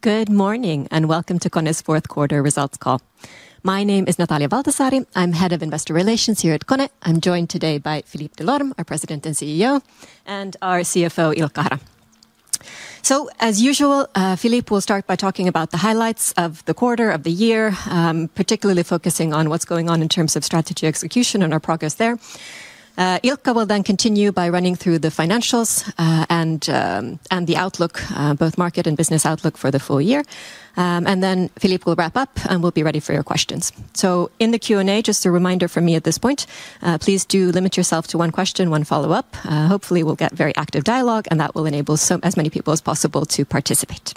Good morning, and welcome to KONE's fourth quarter results call. My name is Natalia Valtasaari. I'm Head of Investor Relations here at KONE. I'm joined today by Philippe Delorme, our President and CEO, and our CFO, Ilkka Hara. So as usual, Philippe will start by talking about the highlights of the quarter, of the year, particularly focusing on what's going on in terms of strategy execution and our progress there. Ilkka will then continue by running through the financials, and the outlook, both market and business outlook for the full year. And then Philippe will wrap up, and we'll be ready for your questions. So in the Q&A, just a reminder from me at this point, please do limit yourself to one question, one follow-up. Hopefully, we'll get very active dialogue, and that will enable as many people as possible to participate.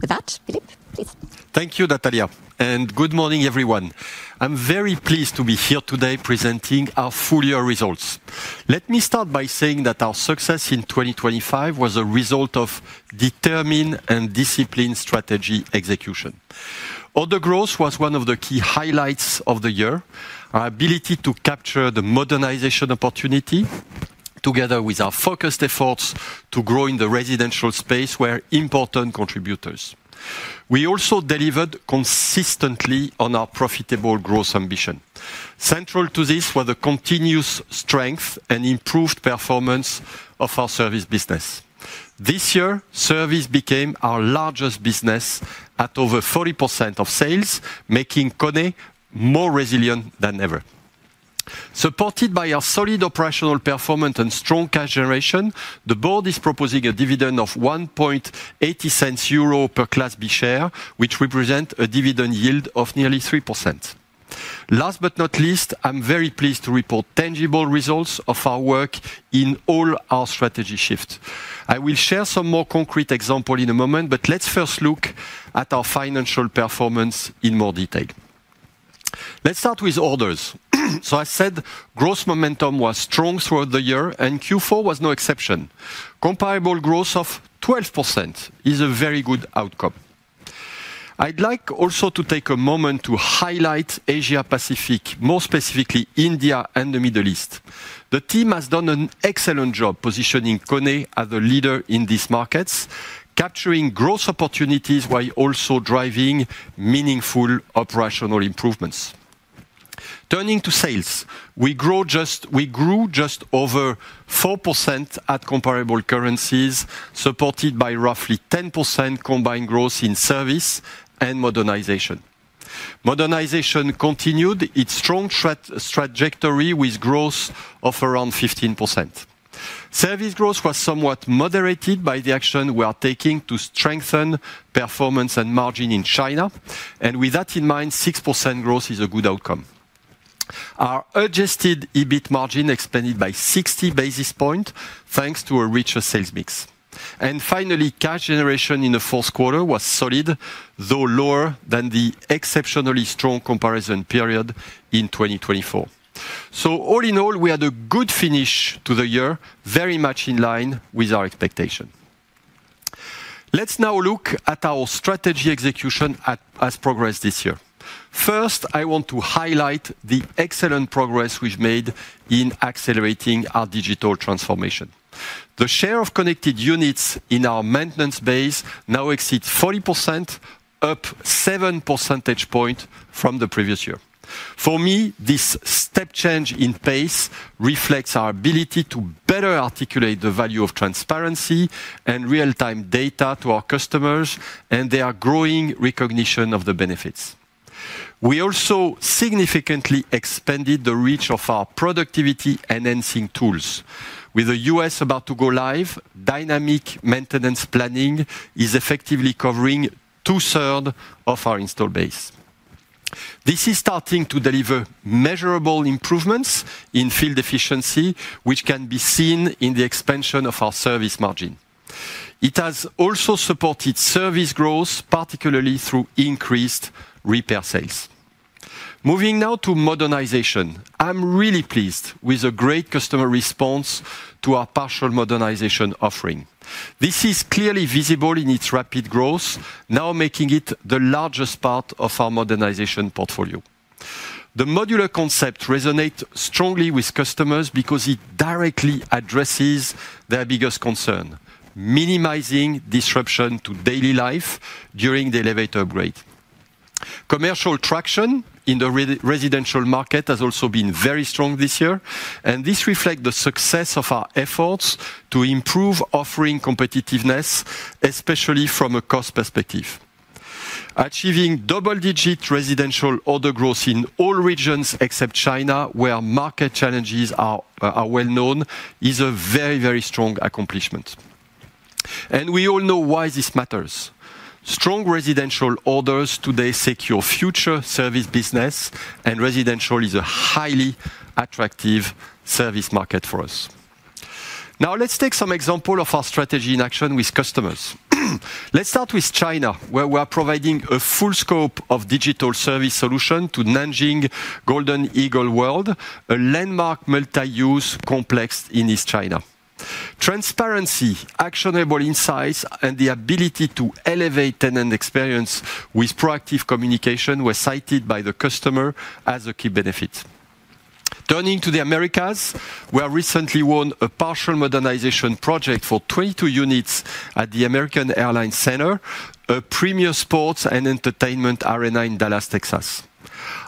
With that, Philippe, please. Thank you, Natalia, and good morning, everyone. I'm very pleased to be here today presenting our full year results. Let me start by saying that our success in 2025 was a result of determined and disciplined strategy execution. Order growth was one of the key highlights of the year. Our ability to capture the modernization opportunity, together with our focused efforts to grow in the residential space, were important contributors. We also delivered consistently on our profitable growth ambition. Central to this was a continuous strength and improved performance of our service business. This year, service became our largest business at over 40% of sales, making KONE more resilient than ever. Supported by our solid operational performance and strong cash generation, the board is proposing a dividend of €1.80 per Class B share, which represent a dividend yield of nearly 3%. Last but not least, I'm very pleased to report tangible results of our work in all our strategy shift. I will share some more concrete example in a moment, but let's first look at our financial performance in more detail. Let's start with orders. So I said growth momentum was strong throughout the year, and Q4 was no exception. Comparable growth of 12% is a very good outcome. I'd like also to take a moment to highlight Asia-Pacific, more specifically India and the Middle East. The team has done an excellent job positioning KONE as a leader in these markets, capturing growth opportunities while also driving meaningful operational improvements. Turning to sales, we grew just over 4% at comparable currencies, supported by roughly 10% combined growth in service and modernization. Modernization continued its strong trajectory with growth of around 15%. Service growth was somewhat moderated by the action we are taking to strengthen performance and margin in China, and with that in mind, 6% growth is a good outcome. Our Adjusted EBIT margin expanded by 60 basis points, thanks to a richer sales mix. Finally, cash generation in the fourth quarter was solid, though lower than the exceptionally strong comparison period in 2024. All in all, we had a good finish to the year, very much in line with our expectation. Let's now look at our strategy execution as it has progressed this year. First, I want to highlight the excellent progress we've made in accelerating our digital transformation. The share of Connected Units in our maintenance base now exceeds 40%, up 7 percentage points from the previous year. For me, this step change in pace reflects our ability to better articulate the value of transparency and real-time data to our customers, and their growing recognition of the benefits. We also significantly expanded the reach of our productivity-enhancing tools. With the U.S. about to go live, Dynamic Maintenance Planning is effectively covering two-thirds of our install base. This is starting to deliver measurable improvements in field efficiency, which can be seen in the expansion of our Service margin. It has also supported Service growth, particularly through increased repair sales. Moving now to Modernization. I'm really pleased with the great customer response to our partial modernization offering. This is clearly visible in its rapid growth, now making it the largest part of our Modernization portfolio. The Modular Concept resonates strongly with customers because it directly addresses their biggest concern: minimizing disruption to daily life during the elevator upgrade. Commercial traction in the residential market has also been very strong this year, and this reflects the success of our efforts to improve offering competitiveness, especially from a cost perspective. Achieving double-digit residential order growth in all regions except China, where market challenges are well known, is a very, very strong accomplishment. We all know why this matters. Strong residential orders today secure future service business, and residential is a highly attractive service market for us. Now, let's take some example of our strategy in action with customers. Let's start with China, where we are providing a full scope of digital service solution to Nanjing Golden Eagle World, a landmark multi-use complex in East China. Transparency, actionable insights, and the ability to elevate tenant experience with proactive communication were cited by the customer as a key benefit. Turning to the Americas, we have recently won a partial modernization project for 22 units at the American Airlines Center, a premier sports and entertainment arena in Dallas, Texas.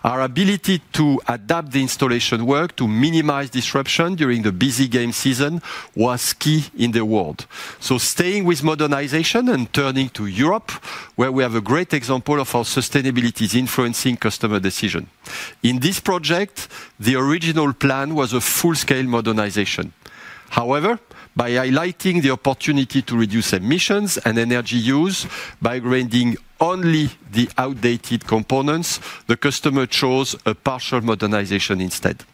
Our ability to adapt the installation work to minimize disruption during the busy game season was key in the award. So staying with modernization and turning to Europe, where we have a great example of our sustainability is influencing customer decision. In this project, the original plan was a full-scale modernization. However, by highlighting the opportunity to reduce emissions and energy use by upgrading only the outdated components, the customer chose a partial modernization instead.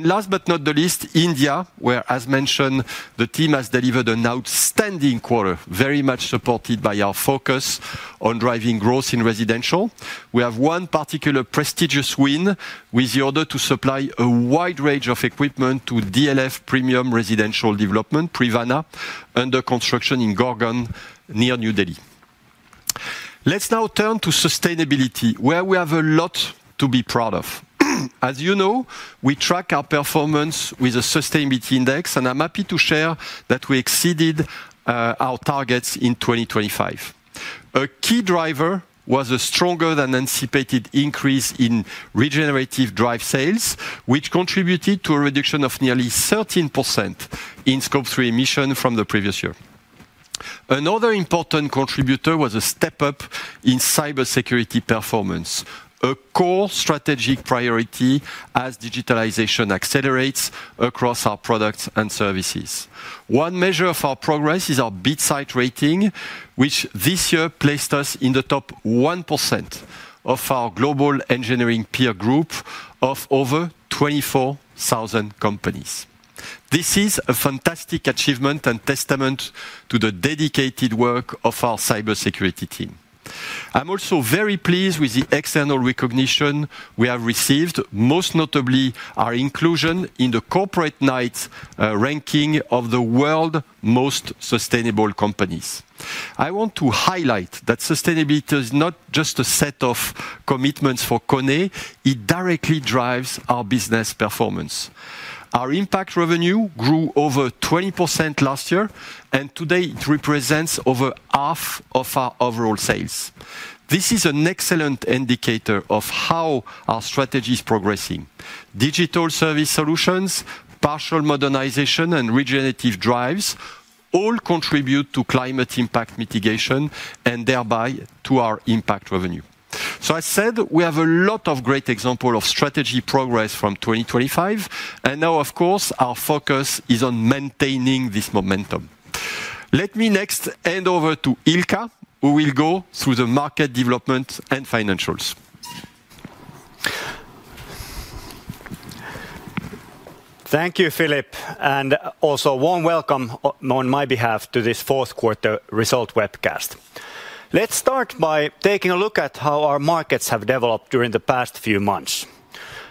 Last but not the least, India, where, as mentioned, the team has delivered an outstanding quarter, very much supported by our focus on driving growth in residential. We have one particular prestigious win, with the order to supply a wide range of equipment to DLF Premium Residential Development, Privana, under construction in Gurgaon, near New Delhi. Let's now turn to sustainability, where we have a lot to be proud of. As you know, we track our performance with a Sustainability Index, and I'm happy to share that we exceeded our targets in 2025. A key driver was a stronger than anticipated increase in regenerative drives sales, which contributed to a reduction of nearly 13% in Scope 3 emissions from the previous year. Another important contributor was a step up in cybersecurity performance, a core strategic priority as digitalization accelerates across our products and services. One measure of our progress is our BitSight rating, which this year placed us in the top 1% of our global engineering peer group of over 24,000 companies. This is a fantastic achievement and testament to the dedicated work of our cybersecurity team. I'm also very pleased with the external recognition we have received, most notably our inclusion in the Corporate Knights ranking of the world's most sustainable companies. I want to highlight that sustainability is not just a set of commitments for KONE, it directly drives our business performance. Our impact revenue grew over 20% last year, and today it represents over half of our overall sales. This is an excellent indicator of how our strategy is progressing. Digital service solutions, partial modernization, and regenerative drives all contribute to climate impact mitigation and thereby to our impact revenue. So I said we have a lot of great example of strategy progress from 2025, and now, of course, our focus is on maintaining this momentum. Let me next hand over to Ilkka, who will go through the market development and financials. Thank you, Philippe, and also warm welcome on my behalf to this fourth quarter result webcast. Let's start by taking a look at how our markets have developed during the past few months.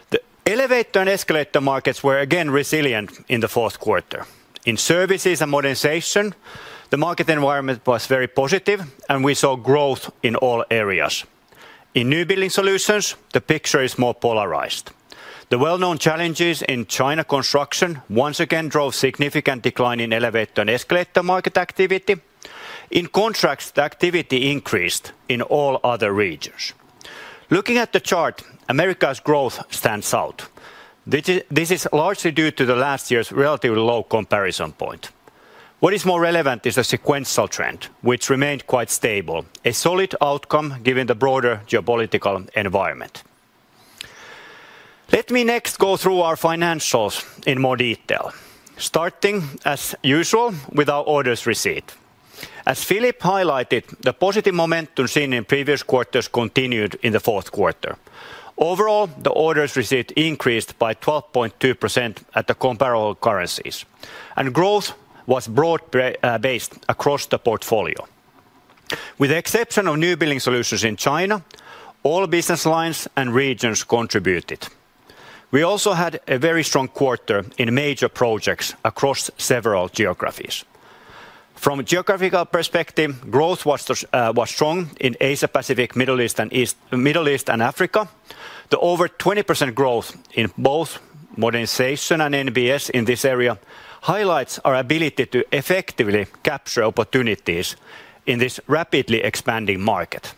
The elevator and escalator markets were again resilient in the fourth quarter. In services and modernization, the market environment was very positive, and we saw growth in all areas. In New Building Solutions, the picture is more polarized. The well-known challenges in China construction once again drove significant decline in elevator and escalator market activity. In contracts, the activity increased in all other regions. Looking at the chart, Americas' growth stands out. This is largely due to last year's relatively low comparison point. What is more relevant is a sequential trend, which remained quite stable, a solid outcome given the broader geopolitical environment. Let me next go through our financials in more detail. Starting, as usual, with our orders receipt. As Philippe highlighted, the positive momentum seen in previous quarters continued in the fourth quarter. Overall, the orders receipt increased by 12.2% at the comparable currencies, and growth was broad based across the portfolio. With the exception of New Building Solutions in China, all business lines and regions contributed. We also had a very strong quarter in major projects across several geographies. From a geographical perspective, growth was strong in Asia-Pacific, Middle East and Africa. The over 20% growth in both Modernization and NBS in this area highlights our ability to effectively capture opportunities in this rapidly expanding market.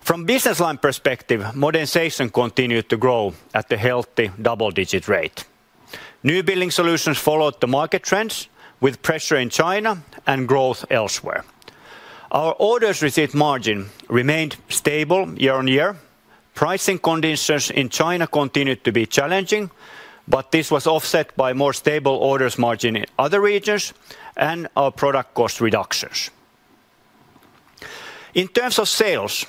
From business line perspective, Modernization continued to grow at a healthy double-digit rate. New Building Solutions followed the market trends with pressure in China and growth elsewhere. Our orders receipt margin remained stable year-on-year. Pricing conditions in China continued to be challenging, but this was offset by more stable orders margin in other regions and our product cost reductions. In terms of sales,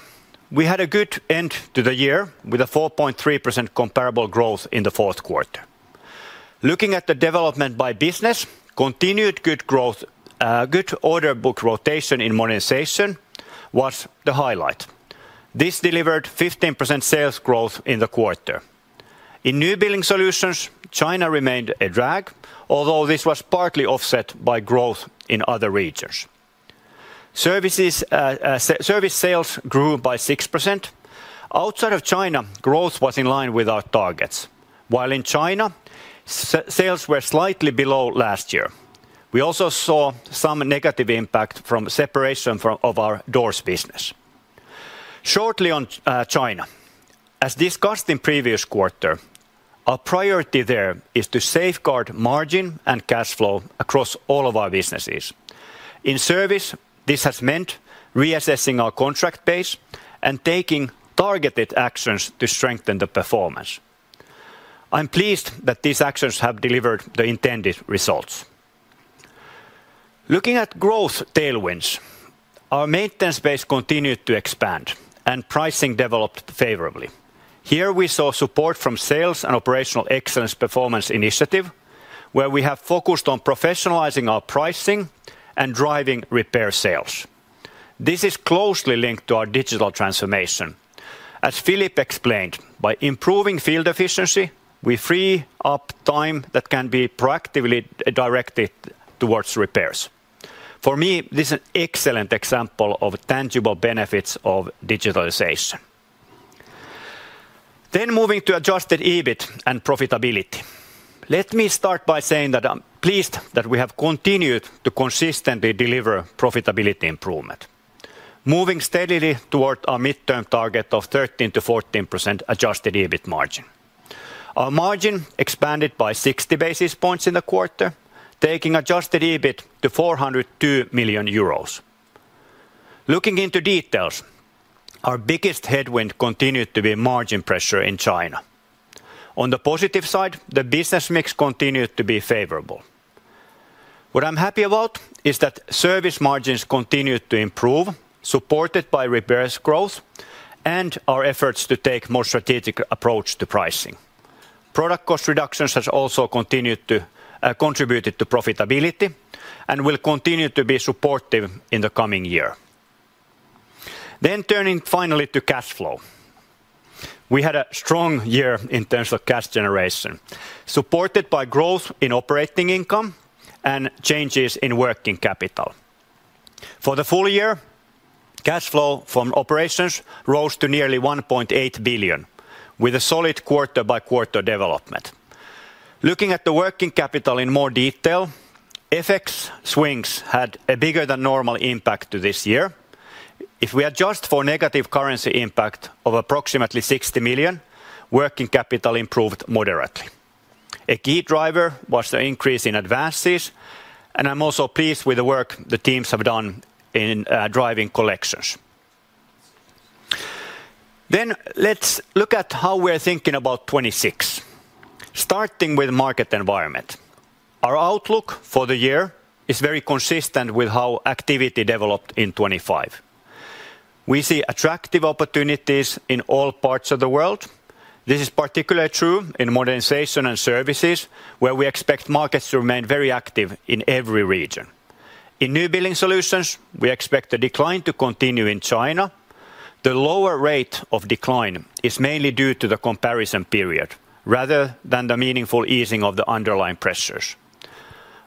we had a good end to the year with a 4.3% comparable growth in the fourth quarter. Looking at the development by business, continued good growth, good order book rotation in modernization was the highlight. This delivered 15% sales growth in the quarter. In New Building Solutions, China remained a drag, although this was partly offset by growth in other regions. Services, service sales grew by 6%. Outside of China, growth was in line with our targets, while in China, sales were slightly below last year. We also saw some negative impact from separation of our doors business. Shortly on China. As discussed in previous quarter, our priority there is to safeguard margin and cash flow across all of our businesses. In service, this has meant reassessing our contract base and taking targeted actions to strengthen the performance. I'm pleased that these actions have delivered the intended results. Looking at growth tailwinds, our maintenance base continued to expand, and pricing developed favorably. Here, we saw support from sales and operational excellence performance initiative, where we have focused on professionalizing our pricing and driving repair sales. This is closely linked to our digital transformation. As Philippe explained, by improving field efficiency, we free up time that can be proactively directed towards repairs. For me, this is an excellent example of tangible benefits of digitalization. Then moving to Adjusted EBIT and profitability. Let me start by saying that I'm pleased that we have continued to consistently deliver profitability improvement, moving steadily toward our midterm target of 13%-14% adjusted EBIT margin. Our margin expanded by 60 basis points in the quarter, taking adjusted EBIT to 402 million euros. Looking into details, our biggest headwind continued to be margin pressure in China. On the positive side, the business mix continued to be favorable. What I'm happy about is that service margins continued to improve, supported by repairs growth and our efforts to take more strategic approach to pricing. Product cost reductions has also continued to, contributed to profitability and will continue to be supportive in the coming year. Then turning finally to cash flow. We had a strong year in terms of cash generation, supported by growth in operating income and changes in working capital. For the full year, cash flow from operations rose to nearly 1.8 billion, with a solid quarter-by-quarter development. Looking at the working capital in more detail, FX swings had a bigger than normal impact to this year. If we adjust for negative currency impact of approximately 60 million, working capital improved moderately. A key driver was the increase in advances, and I'm also pleased with the work the teams have done in driving collections. Then let's look at how we're thinking about 2026. Starting with market environment. Our outlook for the year is very consistent with how activity developed in 2025. We see attractive opportunities in all parts of the world. This is particularly true in Modernization and Services, where we expect markets to remain very active in every region. In New Building Solutions, we expect the decline to continue in China. The lower rate of decline is mainly due to the comparison period, rather than the meaningful easing of the underlying pressures.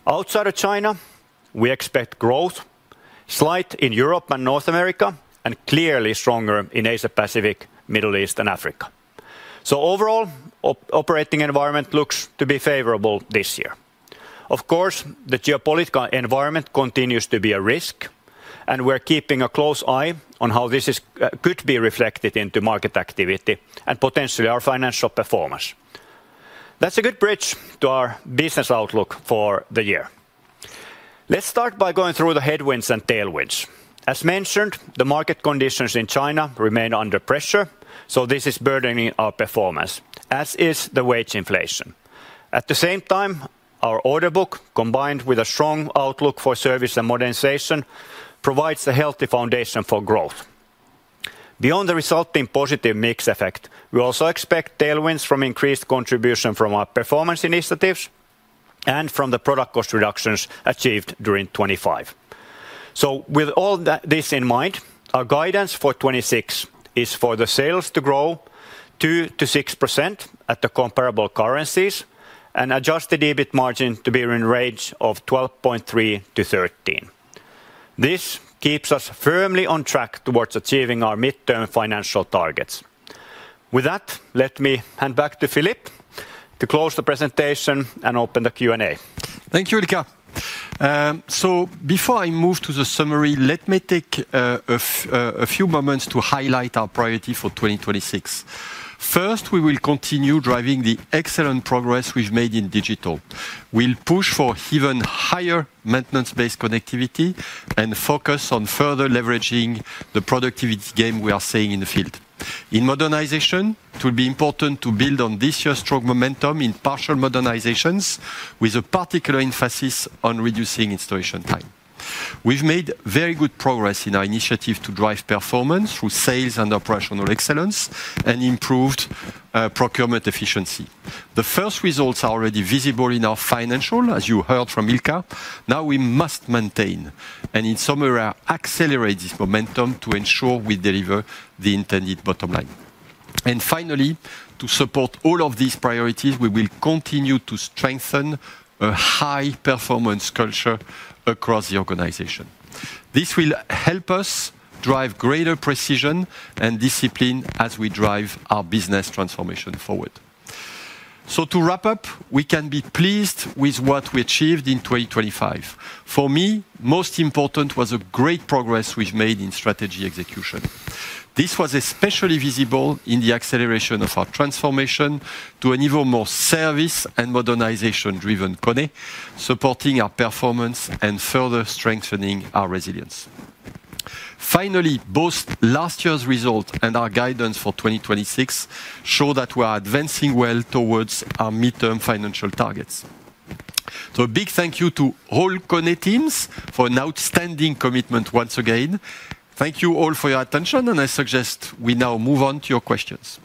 Outside of China, we expect growth, slight in Europe and North America, and clearly stronger in Asia-Pacific, Middle East, and Africa. So overall, operating environment looks to be favorable this year. Of course, the geopolitical environment continues to be a risk, and we're keeping a close eye on how this could be reflected into market activity and potentially our financial performance. That's a good bridge to our business outlook for the year. Let's start by going through the headwinds and tailwinds. As mentioned, the market conditions in China remain under pressure, so this is burdening our performance, as is the wage inflation. At the same time, our order book, combined with a strong outlook for service and modernization, provides a healthy foundation for growth. Beyond the resulting positive mix effect, we also expect tailwinds from increased contribution from our performance initiatives and from the product cost reductions achieved during 2025. So with all that, this in mind, our guidance for 2026 is for the sales to grow 2%-6% at the comparable currencies and adjusted EBIT margin to be in range of 12.3%-13%. This keeps us firmly on track towards achieving our midterm financial targets. With that, let me hand back to Philippe to close the presentation and open the Q&A. Thank you, Ilkka. So before I move to the summary, let me take a few moments to highlight our priority for 2026. First, we will continue driving the excellent progress we've made in digital. We'll push for even higher maintenance-based connectivity and focus on further leveraging the productivity gain we are seeing in the field. In modernization, it will be important to build on this year's strong momentum in partial modernizations, with a particular emphasis on reducing installation time. We've made very good progress in our initiative to drive performance through sales and operational excellence and improved procurement efficiency. The first results are already visible in our financial, as you heard from Ilkka. Now, we must maintain, and in some area, accelerate this momentum to ensure we deliver the intended bottom line. And finally, to support all of these priorities, we will continue to strengthen a high-performance culture across the organization. This will help us drive greater precision and discipline as we drive our business transformation forward. So to wrap up, we can be pleased with what we achieved in 2025. For me, most important was a great progress we've made in strategy execution. This was especially visible in the acceleration of our transformation to an even more service and modernization-driven KONE, supporting our performance and further strengthening our resilience. Finally, both last year's result and our guidance for 2026 show that we are advancing well towards our midterm financial targets. So a big thank you to all KONE teams for an outstanding commitment once again. Thank you all for your attention, and I suggest we now move on to your questions.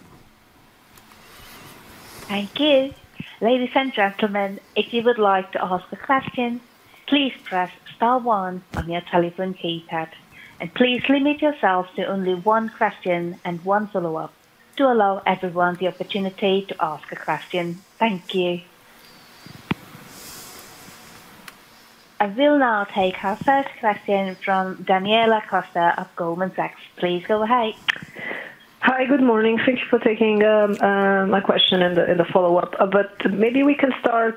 Thank you. Ladies and gentlemen, if you would like to ask a question, please press star one on your telephone keypad. And please limit yourselves to only one question and one follow-up to allow everyone the opportunity to ask a question. Thank you. I will now take our first question from Daniela Costa of Goldman Sachs. Please go ahead. Hi, good morning. Thank you for taking my question and the follow-up. But maybe we can start,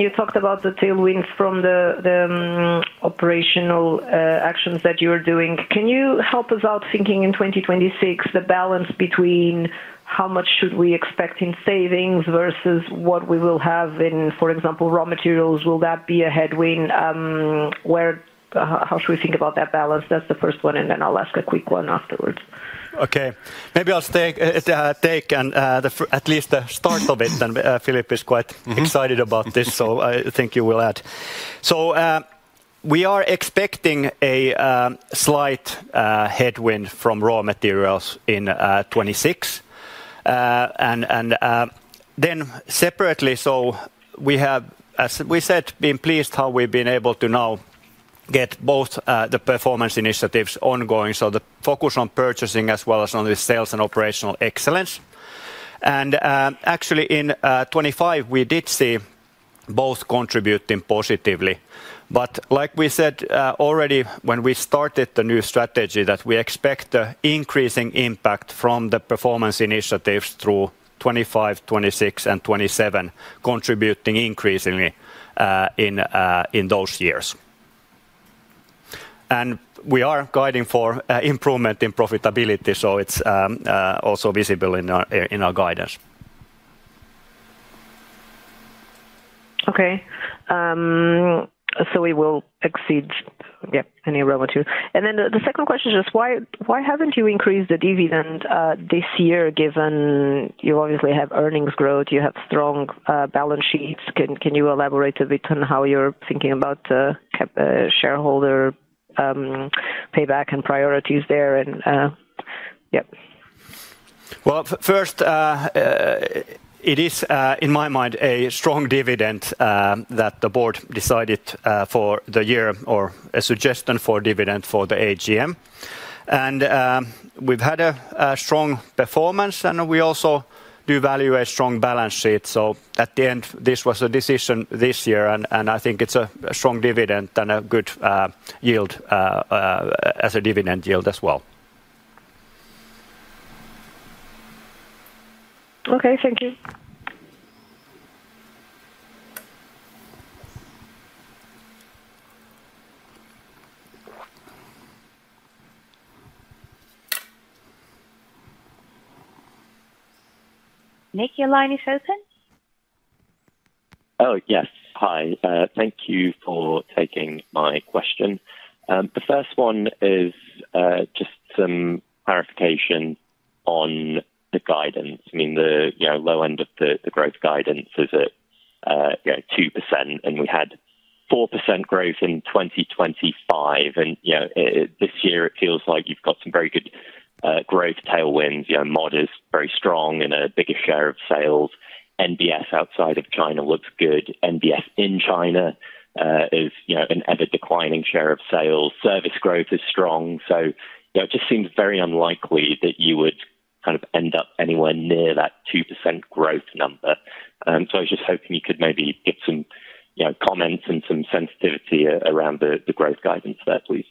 you talked about the tailwinds from the operational actions that you are doing. Can you help us out thinking in 2026, the balance between how much should we expect in savings versus what we will have in, for example, raw materials? Will that be a headwind? Where, how should we think about that balance? That's the first one, and then I'll ask a quick one afterwards. Okay. Maybe I'll take at least the start of it. And Philippe is quite excited about this, so I think you will add. So we are expecting a slight headwind from raw materials in 2026. And then separately, so we have, as we said, been pleased how we've been able to now get both the performance initiatives ongoing, so the focus on purchasing as well as on the sales and operational excellence. And actually, in 2025, we did see both contributing positively. But like we said already when we started the new strategy, that we expect an increasing impact from the performance initiatives through 2025, 2026, and 2027, contributing increasingly in those years. We are guiding for improvement in profitability, so it's also visible in our guidance. Okay. So we will exceed, yeah, any raw material. And then the second question is: Why haven't you increased the dividend this year, given you obviously have earnings growth, you have strong balance sheets? Can you elaborate a bit on how you're thinking about shareholder payback and priorities there, and, yep. Well, first, it is in my mind a strong dividend that the board decided for the year, or a suggestion for dividend for the AGM. We've had a strong performance, and we also do value a strong balance sheet. At the end, this was a decision this year, and I think it's a strong dividend and a good yield as a dividend yield as well. Okay, thank you. Nick, your line is open. Oh, yes. Hi, thank you for taking my question. The first one is just some clarification on the guidance. I mean, you know, the low end of the growth guidance is at, you know, 2%, and we had 4% growth in 2025. You know, this year it feels like you've got some very good growth tailwinds. You know, mod is very strong and a bigger share of sales. NBS outside of China looks good. NBS in China is, you know, an ever-declining share of sales. Service growth is strong. So, you know, it just seems very unlikely that you would kind of end up anywhere near that 2% growth number. So I was just hoping you could maybe give some, you know, comments and some sensitivity around the growth guidance there, please.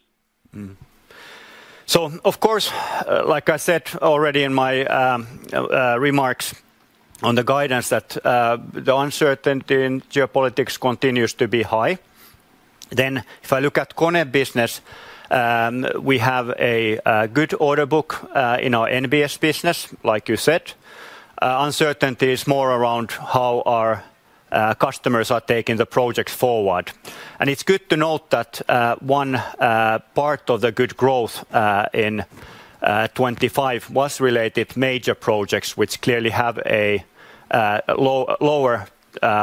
Mm-hmm. So of course, like I said already in my remarks on the guidance, that the uncertainty in geopolitics continues to be high. Then if I look at KONE business, we have a good order book in our NBS business, like you said. Uncertainty is more around how our customers are taking the projects forward. And it's good to note that one part of the good growth in 25 was related major projects, which clearly have a lower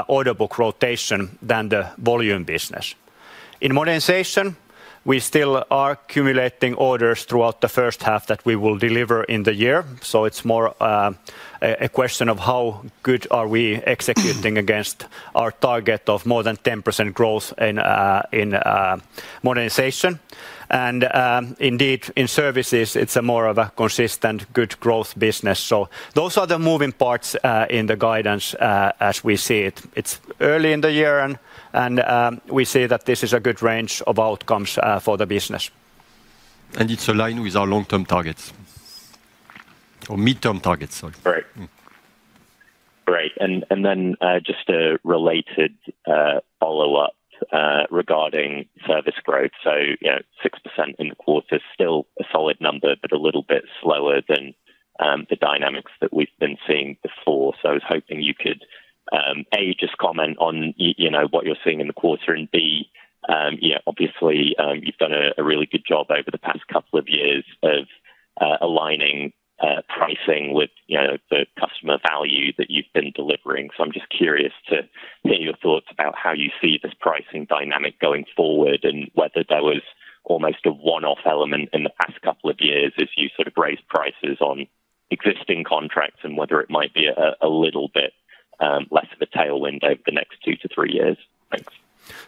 order book rotation than the volume business. In modernization, we still are accumulating orders throughout the first half that we will deliver in the year. So it's more a question of how good are we executing against our target of more than 10% growth in modernization. Indeed, in services, it's a more of a consistent, good growth business. Those are the moving parts in the guidance as we see it. It's early in the year and we see that this is a good range of outcomes for the business. It's aligned with our long-term targets or midterm targets, sorry. Great. Mm. Great. And then, just a related follow-up regarding service growth. So, you know, 6% in the quarter is still a solid number, but a little bit slower than the dynamics that we've been seeing before. So I was hoping you could A, just comment on you know, what you're seeing in the quarter, and B, yeah, obviously, you've done a really good job over the past couple of years of aligning pricing with, you know, the customer value that you've been delivering. I'm just curious to hear your thoughts about how you see this pricing dynamic going forward, and whether that was almost a one-off element in the past couple of years as you sort of raised prices on existing contracts, and whether it might be a little bit less of a tailwind over the next 2-3 years?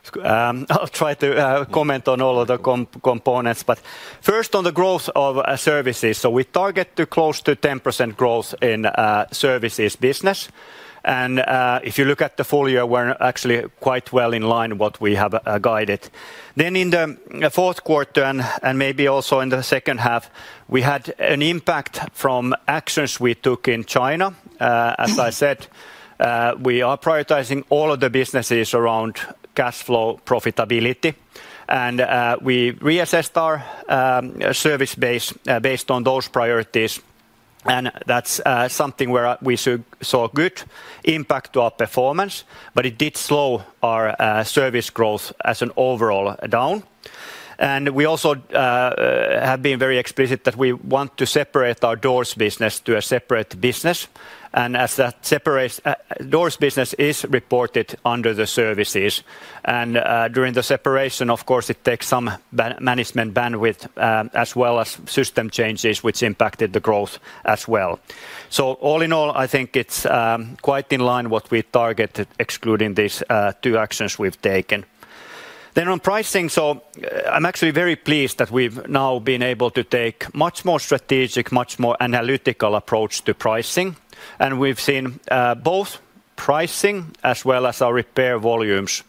Thanks. I'll try to comment on all of the components, but first on the growth of services. So we target to close to 10% growth in services business. And if you look at the full year, we're actually quite well in line what we have guided. Then in the fourth quarter and maybe also in the second half, we had an impact from actions we took in China. As I said, we are prioritizing all of the businesses around cashflow profitability, and we reassessed our service base based on those priorities, and that's something where we saw a good impact to our performance, but it did slow our service growth as an overall down. And we also have been very explicit that we want to separate our doors business to a separate business, and as that separate doors business is reported under the services. And during the separation, of course, it takes some management bandwidth as well as system changes, which impacted the growth as well. So all in all, I think it's quite in line what we targeted, excluding these two actions we've taken. Then on pricing, so I'm actually very pleased that we've now been able to take much more strategic, much more analytical approach to pricing. And we've seen both pricing as well as our repair volumes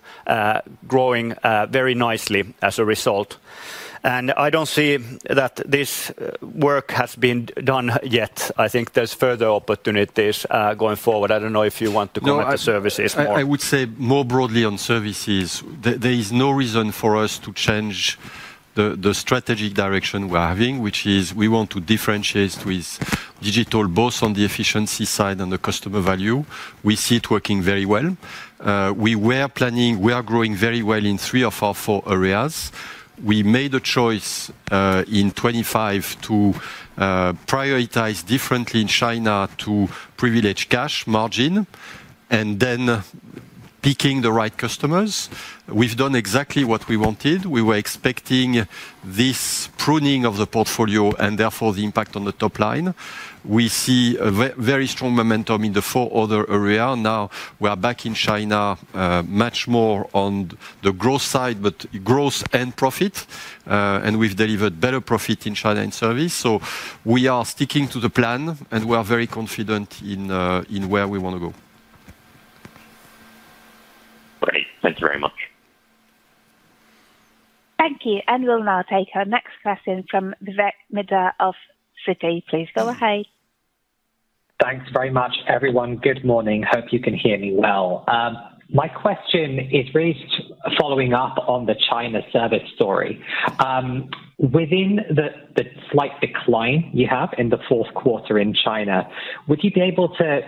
growing very nicely as a result. And I don't see that this work has been done yet. I think there's further opportunities going forward. I don't know if you want to comment on services more? I, I would say more broadly on services, there is no reason for us to change the strategic direction we're having, which is we want to differentiate with digital, both on the efficiency side and the customer value. We see it working very well. We were planning. We are growing very well in three of our four areas. We made a choice in 2025 to prioritize differently in China to privilege cash margin, and then picking the right customers. We've done exactly what we wanted. We were expecting this pruning of the portfolio and therefore the impact on the top line. We see a very strong momentum in the four other area. Now, we are back in China much more on the growth side, but growth and profit, and we've delivered better profit in China in service. So we are sticking to the plan, and we are very confident in where we wanna go. Great. Thank you very much. Thank you. And we'll now take our next question from Vivek Midha of Citi. Please go ahead. Thanks very much, everyone. Good morning. Hope you can hear me well. My question is really just following up on the China service story. Within the slight decline you have in the fourth quarter in China, would you be able to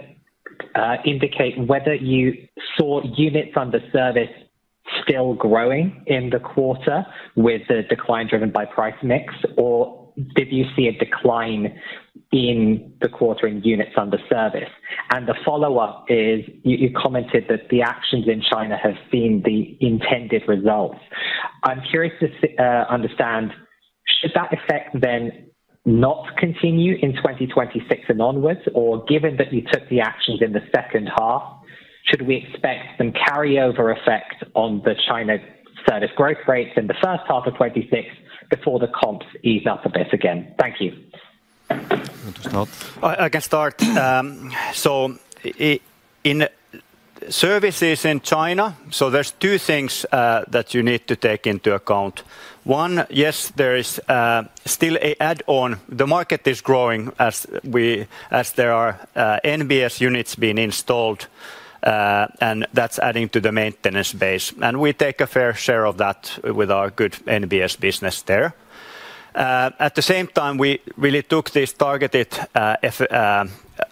indicate whether you saw units under service still growing in the quarter with the decline driven by price mix? Or did you see a decline in the quarter in units under service? And the follow-up is, you commented that the actions in China have seen the intended results. I'm curious to understand, should that effect then not continue in 2026 and onwards, or given that you took the actions in the second half, should we expect some carryover effect on the China service growth rates in the first half of 2026 before the comps ease up a bit again? Thank you. You want to start? I can start. So, in services in China, there are two things that you need to take into account. One, yes, there is still an add-on. The market is growing as there are NBS units being installed, and that's adding to the maintenance base, and we take a fair share of that with our good NBS business there. At the same time, we really took these targeted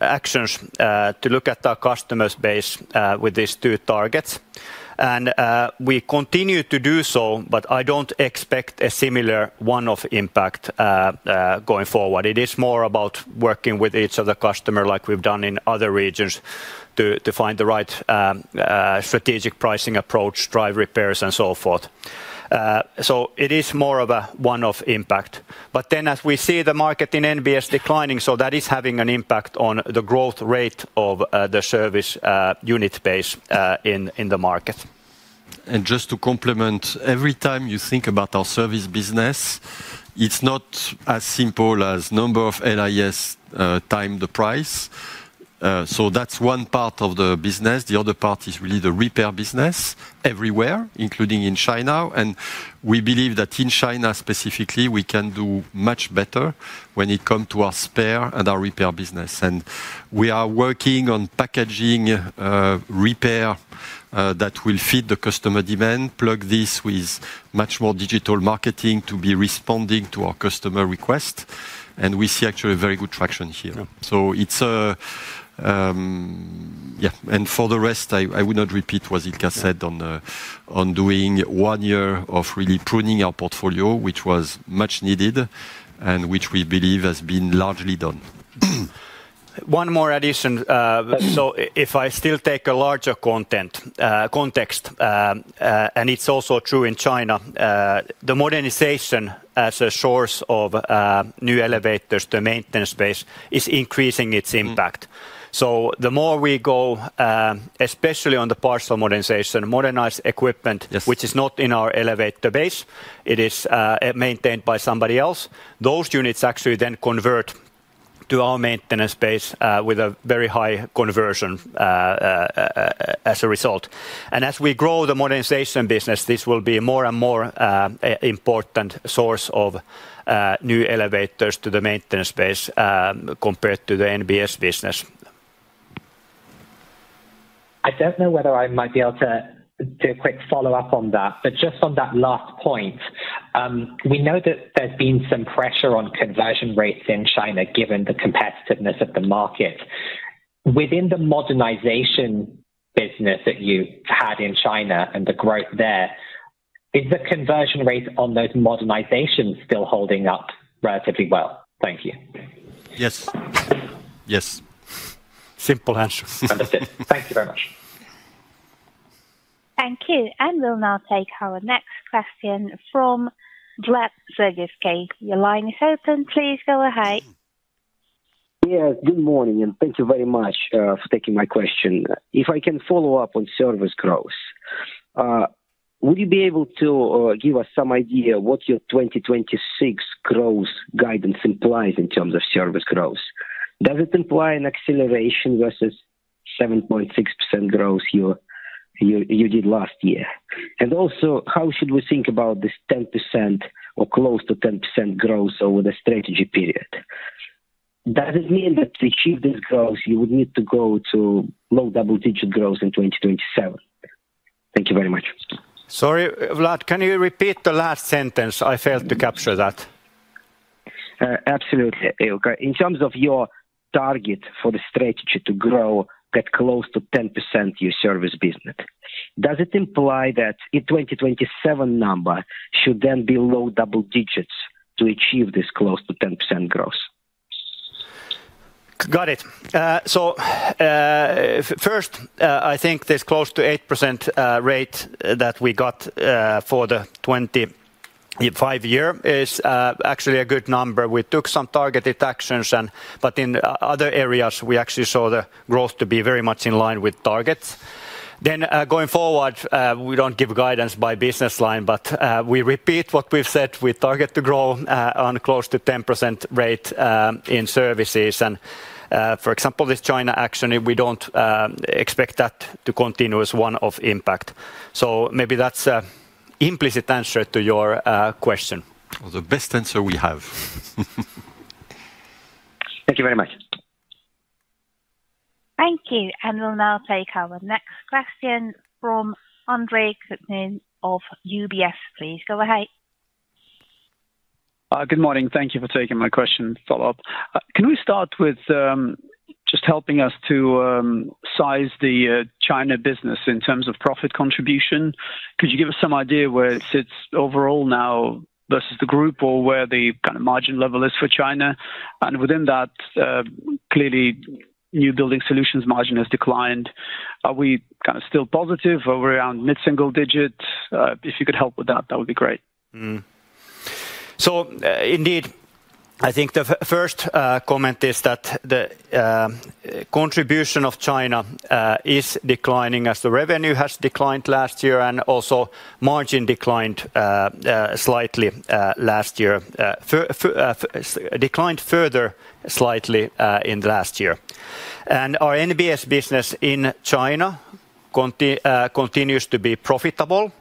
actions to look at our customer base with these two targets. We continue to do so, but I don't expect a similar one-off impact going forward. It is more about working with each of the customers like we've done in other regions, to find the right strategic pricing approach, drive repairs, and so forth. So it is more of a one-off impact. But then as we see the market in NBS declining, so that is having an impact on the growth rate of the service unit base in the market. Just to complement, every time you think about our service business, it's not as simple as number of LIS, time the price. That's one part of the business. The other part is really the repair business everywhere, including in China. We believe that in China, specifically, we can do much better when it come to our spare and our repair business. We are working on packaging, repair, that will fit the customer demand, plug this with much more digital marketing to be responding to our customer request, and we see actually a very good traction here. Yeah. So it's a. Yeah, and for the rest, I will not repeat what Ilkka said on doing one year of really pruning our portfolio, which was much needed, and which we believe has been largely done. One more addition. So if I still take a larger context, and it's also true in China, the modernization, as a source of new elevators, the maintenance base, is increasing its impact. Mm. So the more we go, especially on the partial modernization, modernized equipment- Yes which is not in our elevator base, it is maintained by somebody else, those units actually then convert to our maintenance base with a very high conversion as a result. And as we grow the modernization business, this will be more and more important source of new elevators to the maintenance base compared to the NBS business. I don't know whether I might be able to do a quick follow-up on that. Just on that last point, we know that there's been some pressure on conversion rates in China, given the competitiveness of the market. Within the modernization business that you've had in China and the growth there, is the conversion rate on those modernizations still holding up relatively well? Thank you. Yes. Yes. Simple answer. Understood. Thank you very much. Thank you. We'll now take our next question from Vlad Sergievskii. Your line is open, please go ahead. Yeah, good morning, and thank you very much for taking my question. If I can follow up on service growth, would you be able to give us some idea what your 2026 growth guidance implies in terms of service growth? Does it imply an acceleration versus 7.6% growth you did last year? And also, how should we think about this 10% or close to 10% growth over the strategy period? Does it mean that to achieve this growth, you would need to go to low double-digit growth in 2027? Thank you very much. Sorry, Vlad, can you repeat the last sentence? I failed to capture that. Absolutely, Ilkka. In terms of your target for the strategy to grow, get close to 10% your service business, does it imply that a 2027 number should then be low double digits to achieve this close to 10% growth? Got it. First, I think this close to 8% rate that we got for the 25-year is actually a good number. We took some targeted actions and, but in other areas, we actually saw the growth to be very much in line with targets. Then, going forward, we don't give guidance by business line, but we repeat what we've said, we target to grow on close to 10% rate in services. And, for example, this China action, we don't expect that to continue as one-off impact. So maybe that's an implicit answer to your question. Or the best answer we have. Thank you very much. Thank you. We'll now take our next question from Andre Kukhnin of UBS. Please, go ahead. Good morning. Thank you for taking my question, follow-up. Can we start with just helping us to size the China business in terms of profit contribution? Could you give us some idea where it sits overall now versus the group or where the kind of margin level is for China? And within that, clearly, New Building Solutions margin has declined. Are we kind of still positive or we're around mid-single digits? If you could help with that, that would be great. So, indeed, I think the first comment is that the contribution of China is declining as the revenue has declined last year, and also margin declined slightly last year, declined further slightly in the last year. And our NBS business in China continues to be profitable,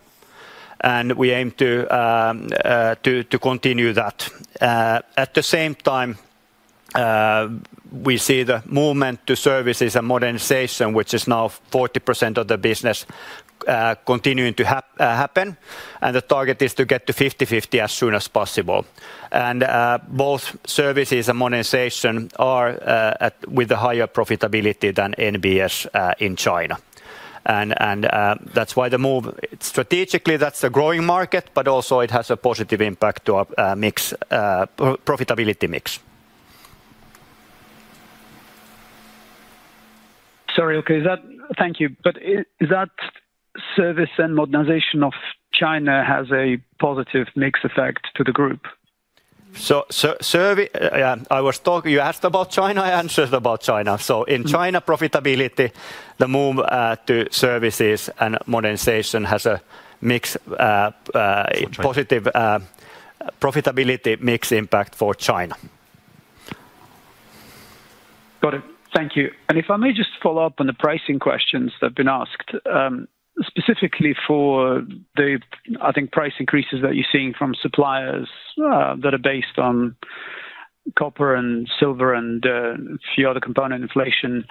and we aim to continue that. At the same time, we see the movement to services and modernization, which is now 40% of the business, continuing to happen, and the target is to get to 50/50 as soon as possible. And both services and modernization are with a higher profitability than NBS in China. And that's why the move... Strategically, that's a growing market, but also it has a positive impact to our mix, profitability mix. Okay, thank you, but is that service and modernization of China has a positive mix effect to the group? I was talking, you asked about China, I answered about China. So in China, profitability, the move to services and modernization has a mix positive profitability mix impact for China. Got it. Thank you. And if I may just follow up on the pricing questions that have been asked, specifically for the, I think, price increases that you're seeing from suppliers, that are based on copper and silver and a few other component inflation.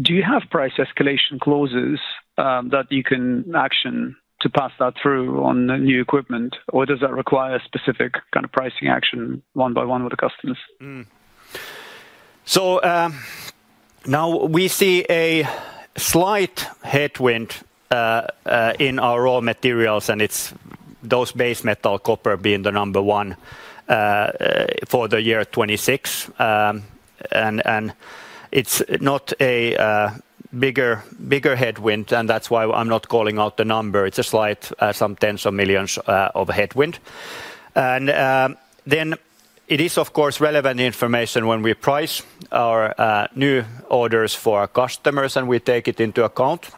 Do you have price escalation clauses, that you can action to pass that through on the new equipment, or does that require specific kind of pricing action, one by one, with the customers? So, now we see a slight headwind in our raw materials, and it's those base metal, copper being the number one, for the year 2026. And it's not a bigger headwind, and that's why I'm not calling out the number. It's a slight some tens of millions EUR of headwind. And then it is, of course, relevant information when we price our new orders for our customers, and we take it into account.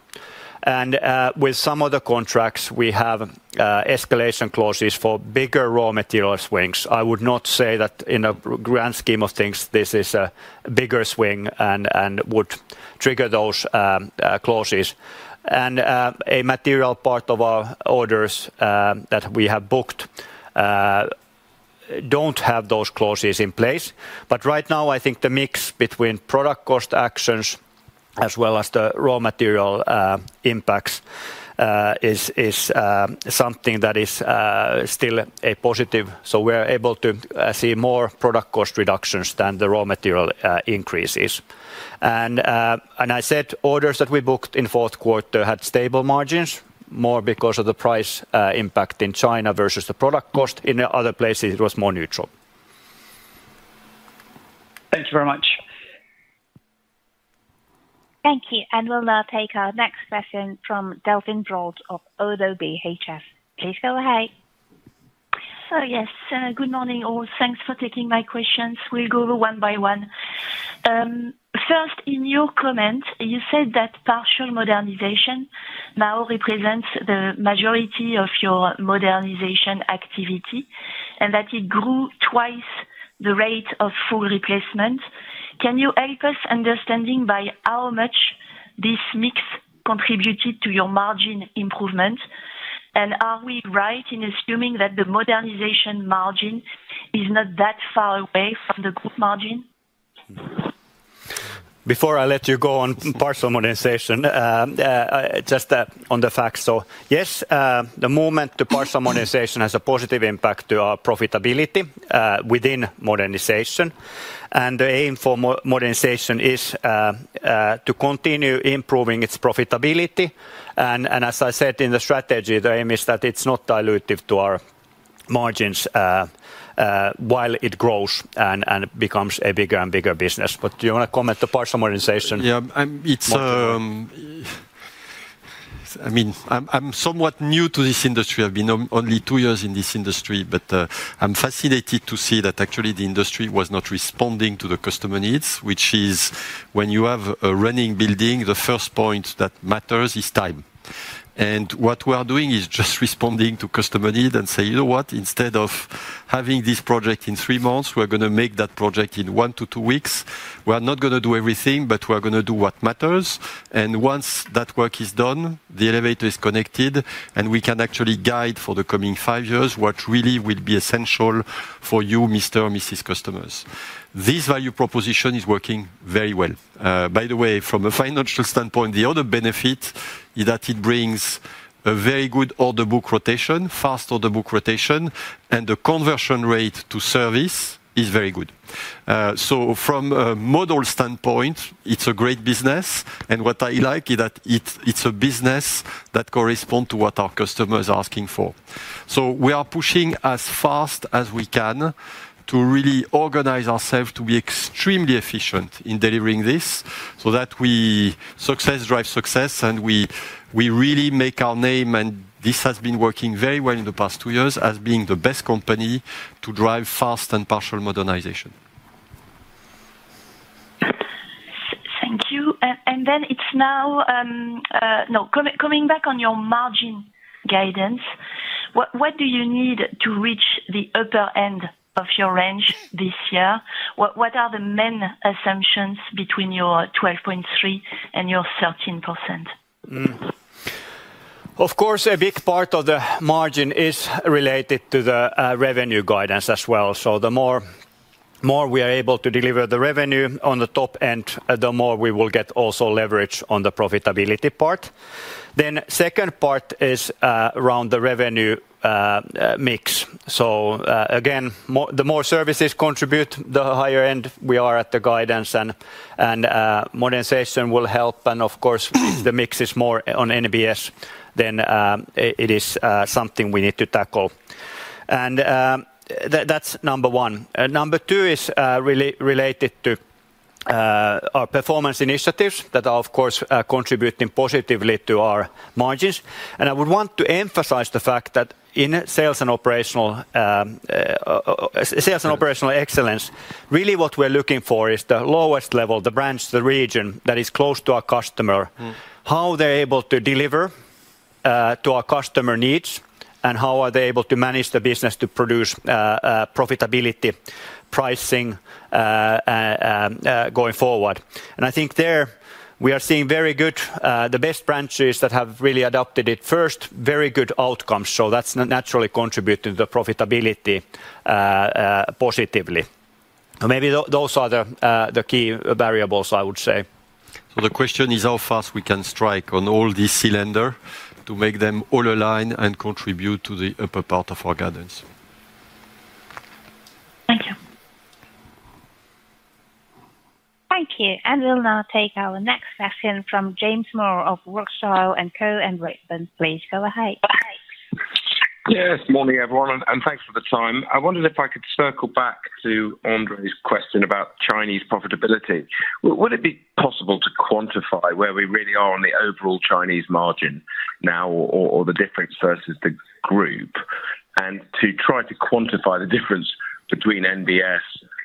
And with some other contracts, we have escalation clauses for bigger raw material swings. I would not say that in a grand scheme of things, this is a bigger swing and would trigger those clauses. And a material part of our orders that we have booked don't have those clauses in place. But right now, I think the mix between product cost actions as well as the raw material impacts is something that is still a positive, so we're able to see more product cost reductions than the raw material increases. And I said orders that we booked in fourth quarter had stable margins, more because of the price impact in China versus the product cost. In other places, it was more neutral. Thank you very much. Thank you, and we'll now take our next question from Delphine Brault of ODDO BHF. Please go ahead. So yes, good morning, all. Thanks for taking my questions. We'll go one by one. First, in your comment, you said that partial modernization now represents the majority of your modernization activity, and that it grew twice the rate of full replacement. Can you help us understanding by how much this mix contributed to your margin improvement? And are we right in assuming that the modernization margin is not that far away from the group margin? Before I let you go on partial modernization, just on the facts. So, yes, the moment the partial modernization has a positive impact to our profitability, within modernization, and the aim for modernization is to continue improving its profitability. And as I said, in the strategy, the aim is that it's not dilutive to our margins, while it grows and becomes a bigger and bigger business. But do you want to comment the partial modernization? Yeah, I mean, I'm somewhat new to this industry. I've been only two years in this industry, but I'm fascinated to see that actually the industry was not responding to the customer needs, which is when you have a running building, the first point that matters is time. And what we are doing is just responding to customer need and say, "You know what? Instead of having this project in three months, we're going to make that project in one to two weeks. We are not going to do everything, but we are going to do what matters. And once that work is done, the elevator is connected, and we can actually guide for the coming five years what really will be essential for you, Mr. or Mrs. Customers." This value proposition is working very well. By the way, from a financial standpoint, the other benefit is that it brings a very good order book rotation, fast order book rotation, and the conversion rate to service is very good. So from a model standpoint, it's a great business, and what I like is that it's a business that correspond to what our customer is asking for. So we are pushing as fast as we can to really organize ourselves to be extremely efficient in delivering this, so that we success drive success, and we really make our name, and this has been working very well in the past two years as being the best company to drive fast and partial modernization. Thank you. Coming back on your margin guidance, what do you need to reach the upper end of your range this year? What are the main assumptions between your 12.3% and 13%? Of course, a big part of the margin is related to the revenue guidance as well. So the more we are able to deliver the revenue on the top end, the more we will get also leverage on the profitability part. Then second part is around the revenue mix. So, again, the more services contribute, the higher end we are at the guidance and modernization will help. And of course, if the mix is more on NBS, then it is something we need to tackle. And that's number one. Number two is related to our performance initiatives that are, of course, contributing positively to our margins. And I would want to emphasize the fact that in sales and operational excellence, really what we're looking for is the lowest level, the branch, the region that is close to our customer. Mm. How they're able to deliver to our customer needs, and how are they able to manage the business to produce profitability, pricing going forward. And I think there, we are seeing very good the best branches that have really adopted it first, very good outcomes, so that's naturally contributing to the profitability positively. Maybe those are the key variables, I would say. The question is how fast we can fire on all these cylinders to make them all align and contribute to the upper part of our guidance? Thank you. Thank you, and we'll now take our next question from James Moore of Rothschild & Co Redburn. Please go ahead. Yes, morning, everyone, and thanks for the time. I wondered if I could circle back to Andre's question about Chinese profitability. Would it be possible to quantify where we really are on the overall Chinese margin now, or the difference versus the group? And to try to quantify the difference between NBS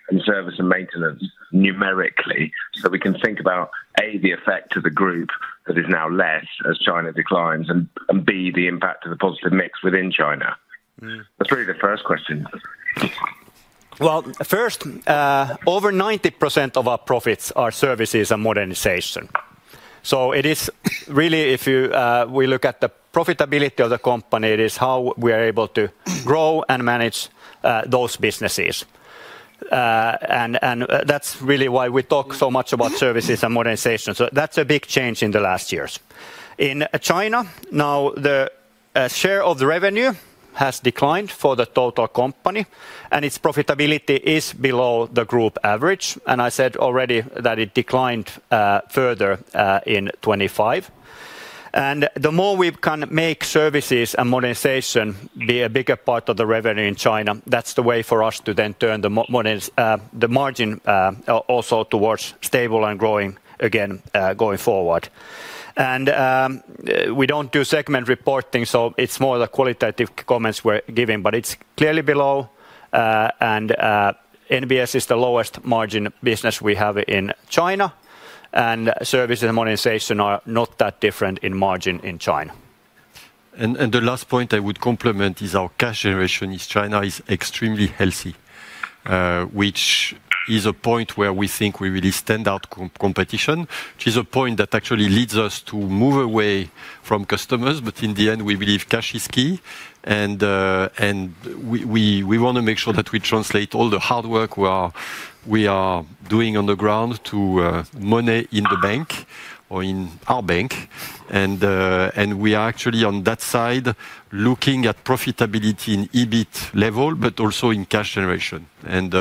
and service and maintenance numerically, so we can think about, A, the effect to the group that is now less as China declines, and B, the impact of the positive mix within China. Mm. That's really the first question. Well, first, over 90% of our profits are services and modernization. So it is really, if you, we look at the profitability of the company, it is how we are able to grow and manage those businesses. And that's really why we talk so much about services and modernization. So that's a big change in the last years. In China, now, the share of the revenue has declined for the total company, and its profitability is below the group average. And I said already that it declined further in 2025. And the more we can make services and modernization be a bigger part of the revenue in China, that's the way for us to then turn the modernization margin also towards stable and growing again going forward. We don't do segment reporting, so it's more the qualitative comments we're giving, but it's clearly below. NBS is the lowest margin business we have in China, and service and modernization are not that different in margin in China. The last point I would comment on is our cash generation in China is extremely healthy, which is a point where we think we really stand out from competition, which is a point that actually leads us to move away from customers. But in the end, we believe cash is key, and we want to make sure that we translate all the hard work we are doing on the ground to money in the bank or in our bank. And we are actually, on that side, looking at profitability in EBIT level, but also in cash generation. And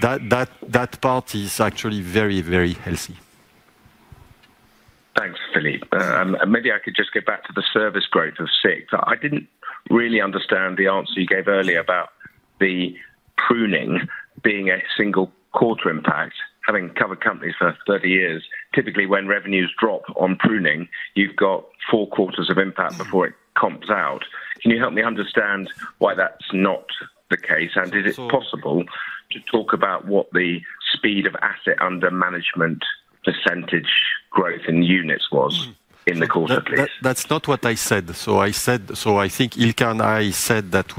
that part is actually very, very healthy. Thanks, Philippe. Maybe I could just get back to the service growth of Service. I didn't really understand the answer you gave earlier about the pruning being a single quarter impact. Having covered companies for 30 years, typically when revenues drop on pruning, you've got four quarters of impact before it comps out. Can you help me understand why that's not the case? Of course. Is it possible to talk about what the speed of asset under management percentage growth in units was? Mm in the quarter, please? That, that's not what I said. So I said—So I think Ilkka and I said that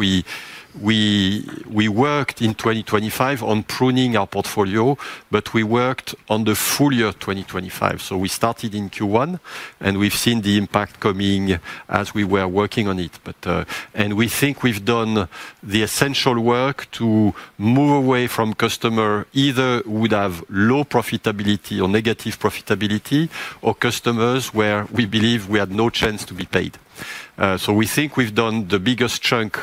we worked in 2025 on pruning our portfolio, but we worked on the full year of 2025. So we started in Q1, and we've seen the impact coming as we were working on it. But... And we think we've done the essential work to move away from customer, either would have low profitability or negative profitability, or customers where we believe we had no chance to be paid. So we think we've done the biggest chunk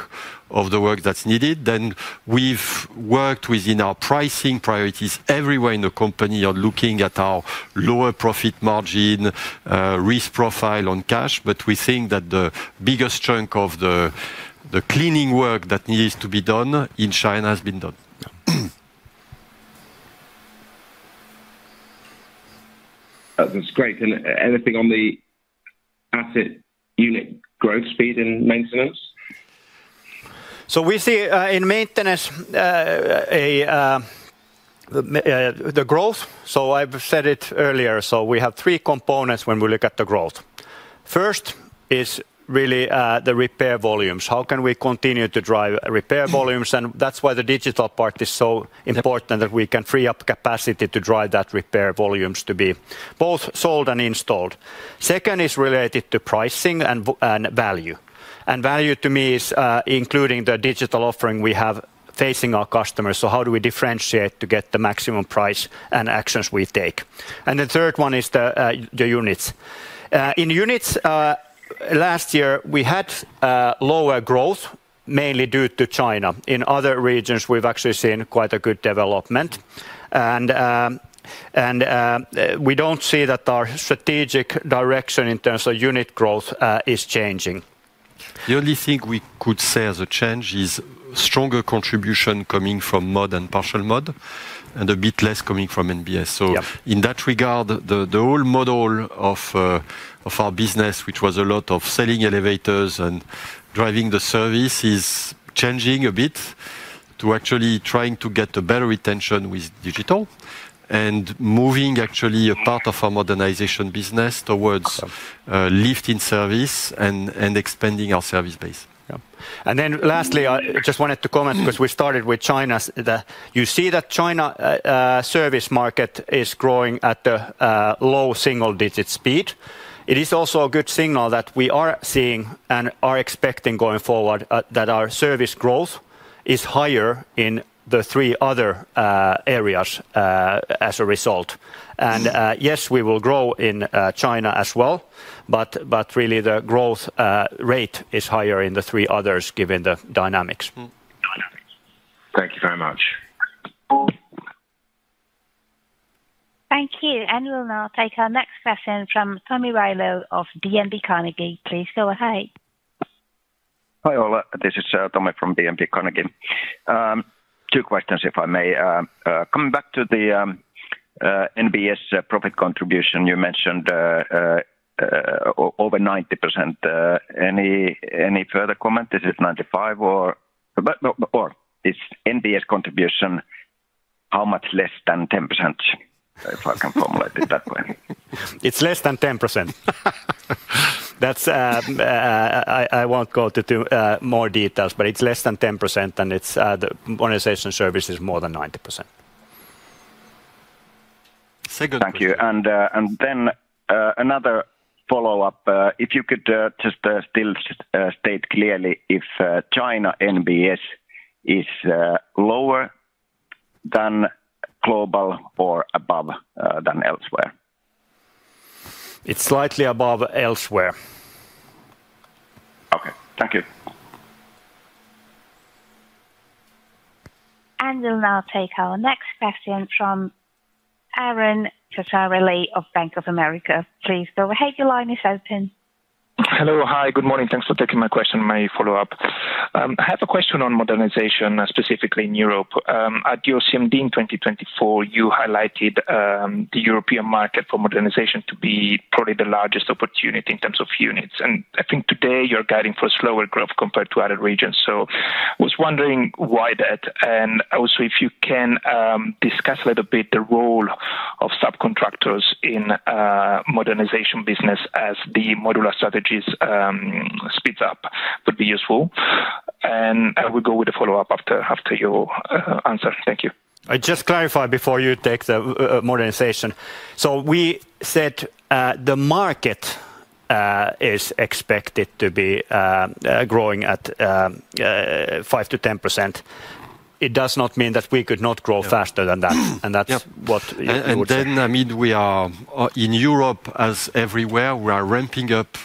of the work that's needed. Then we've worked within our pricing priorities everywhere in the company on looking at our lower profit margin risk profile on cash. But we think that the biggest chunk of the cleaning work that needs to be done in China has been done. That's great. Anything on the asset unit growth speed and maintenance? So we see in maintenance the growth. So I've said it earlier, so we have three components when we look at the growth. First is really the repair volumes. How can we continue to drive repair volumes? And that's why the digital part is so important, that we can free up capacity to drive that repair volumes to be both sold and installed. Second is related to pricing and value. And value, to me, is including the digital offering we have facing our customers. So how do we differentiate to get the maximum price and actions we take? And the third one is the units. In units, last year, we had lower growth, mainly due to China. In other regions, we've actually seen quite a good development. We don't see that our strategic direction in terms of unit growth is changing. The only thing we could say as a change is stronger contribution coming from mod and partial mod, and a bit less coming from NBS. Yep. In that regard, the whole model of our business, which was a lot of selling elevators and driving the service, is changing a bit to actually trying to get a better retention with digital, and moving actually a part of our modernization business towards lifting service and expanding our service base. Yeah. And then lastly, I just wanted to comment, because we started with China. You see that China service market is growing at a low single-digit speed. It is also a good signal that we are seeing and are expecting going forward that our service growth is higher in the three other areas as a result. And yes, we will grow in China as well, but really the growth rate is higher in the three others, given the dynamics. Thank you very much. Thank you. We'll now take our next question from Tomi Railo of DNB Carnegie. Please go ahead. Hi, Ilkka. This is Tommy from DNB Carnegie. Two questions, if I may. Coming back to the NBS profit contribution, you mentioned over 90%. Any further comment, is it 95% or is NBS contribution how much less than 10%, if I can formulate it that way? It's less than 10%. That's, I won't go to more details, but it's less than 10%, and it's, the modernization service is more than 90%. It's a good- Thank you. And then, another follow-up. If you could just still state clearly if China NBS is lower than global or above than elsewhere? It's slightly above elsewhere. Okay, thank you. We'll now take our next question from Aron Ceccarelli of Bank of America. Please go ahead. Your line is open. Hello. Hi, good morning. Thanks for taking my question. My follow-up. I have a question on modernization, specifically in Europe. At your CMD in 2024, you highlighted the European market for modernization to be probably the largest opportunity in terms of units. And I think today you're guiding for slower growth compared to other regions. So I was wondering why that, and also, if you can discuss a little bit the role of subcontractors in modernization business as the modular strategies speeds up, would be useful. And I will go with the follow-up after you answer. Thank you. I just clarify before you take the modernization. So we said, the market is expected to be growing at 5%-10%. It does not mean that we could not grow faster than that. Yeah. That's what I would say. And then, I mean, we are in Europe, as everywhere, we are ramping up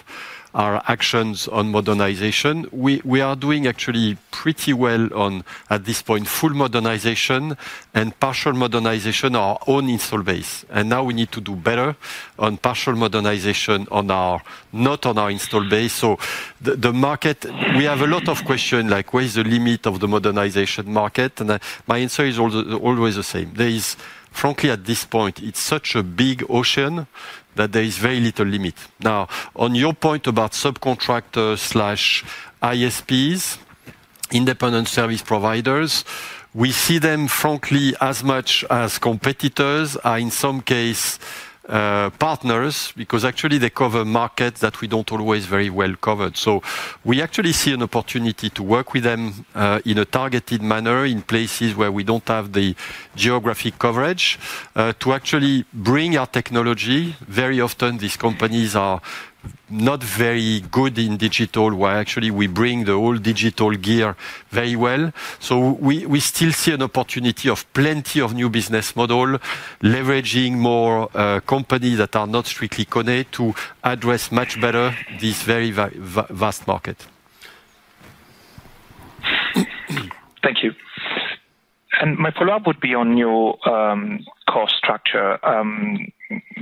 our actions on modernization. We are doing actually pretty well on, at this point, full modernization and partial modernization, our own installed base. And now we need to do better on partial modernization on our, not on our installed base. So the market, we have a lot of questions like: What is the limit of the modernization market? And my answer is always the same. There is frankly, at this point, such a big ocean, that there is very little limit. Now, on your point about contractors/ISPs, independent service providers, we see them, frankly, as much as competitors, in some cases, partners, because actually they cover markets that we don't always very well cover. So we actually see an opportunity to work with them in a targeted manner, in places where we don't have the geographic coverage to actually bring our technology. Very often, these companies are not very good in digital, where actually we bring the whole digital gear very well. So we still see an opportunity of plenty of new business model, leveraging more companies that are not strictly connected to address much better this very vast market. Thank you. My follow-up would be on your cost structure.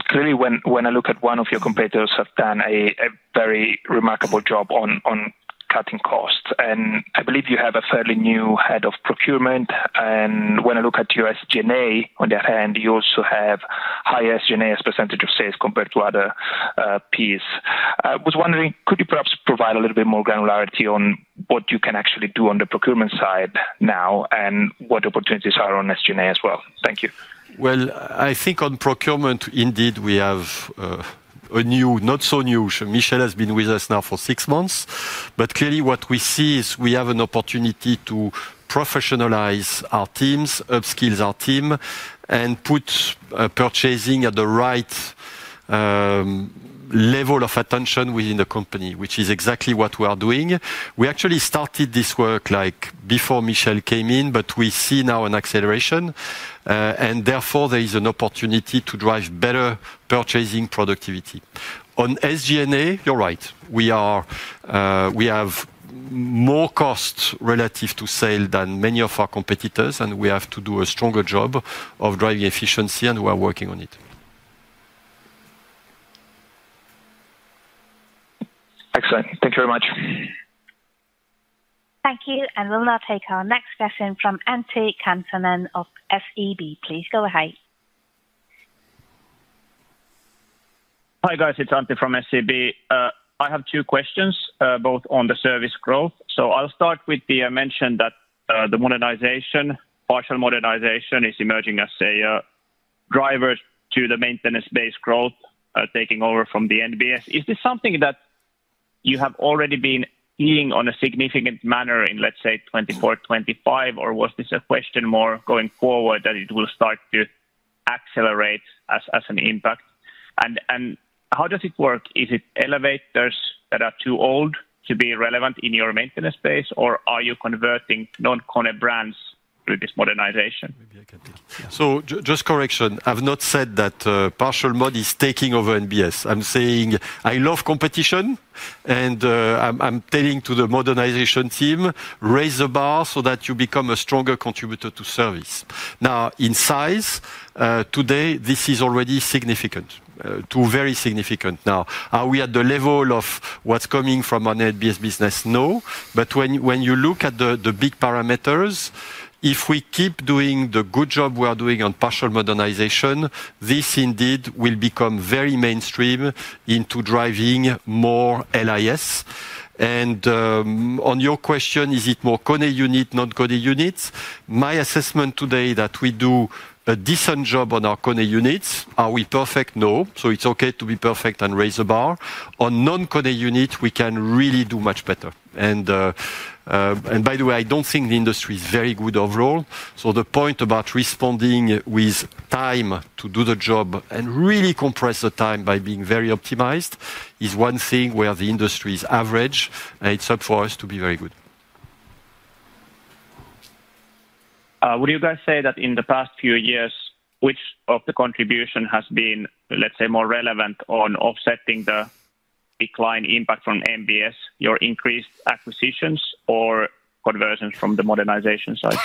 Clearly, when I look at one of your competitors have done a very remarkable job on cutting costs, and I believe you have a fairly new head of procurement. When I look at your SG&A, on the other hand, you also have higher SG&A as a percentage of sales compared to other peers. I was wondering, could you perhaps provide a little bit more granularity on what you can actually do on the procurement side now, and what opportunities are on SG&A as well? Thank you. Well, I think on procurement, indeed, we have a new, not so new, Michelle has been with us now for six months. But clearly what we see is we have an opportunity to professionalize our teams, upskill our team, and put purchasing at the right level of attention within the company, which is exactly what we are doing. We actually started this work, like, before Michelle came in, but we see now an acceleration, and therefore there is an opportunity to drive better purchasing productivity. On SG&A, you're right. We are, we have more costs relative to sale than many of our competitors, and we have to do a stronger job of driving efficiency, and we are working on it. Excellent. Thank you very much. Thank you, and we'll now take our next question from Antti Kansanen of SEB. Please go ahead. Hi, guys, it's Antti from SEB. I have two questions, both on the service growth. So I'll start with the mention that the modernization, partial modernization is emerging as a driver to the maintenance-based growth, taking over from the NBS. Is this something that you have already been seeing on a significant manner in, let's say, 2024, 2025? Or was this a question more going forward that it will start to accelerate as an impact? And how does it work? Is it elevators that are too old to be relevant in your maintenance space, or are you converting non-KONE brands through this modernization? Maybe I can take. So just correction. I've not said that, partial mod is taking over NBS. I'm saying I love competition, and, I'm telling to the modernization team, "Raise the bar so that you become a stronger contributor to service." Now, in size, today, this is already significant, to very significant now. Are we at the level of what's coming from our NBS business? No. But when you look at the big parameters, if we keep doing the good job we are doing on partial modernization, this indeed will become very mainstream into driving more LIS. And, on your question, is it more KONE unit, non-KONE units? My assessment today that we do a decent job on our KONE units. Are we perfect? No. So it's okay to be perfect and raise the bar. On non-KONE unit, we can really do much better. And by the way, I don't think the industry is very good overall, so the point about responding with time to do the job and really compress the time by being very optimized, is one thing where the industry is average, and it's up for us to be very good. Would you guys say that in the past few years, which of the contribution has been, let's say, more relevant on offsetting the decline impact from NBS, your increased acquisitions or conversions from the modernization side?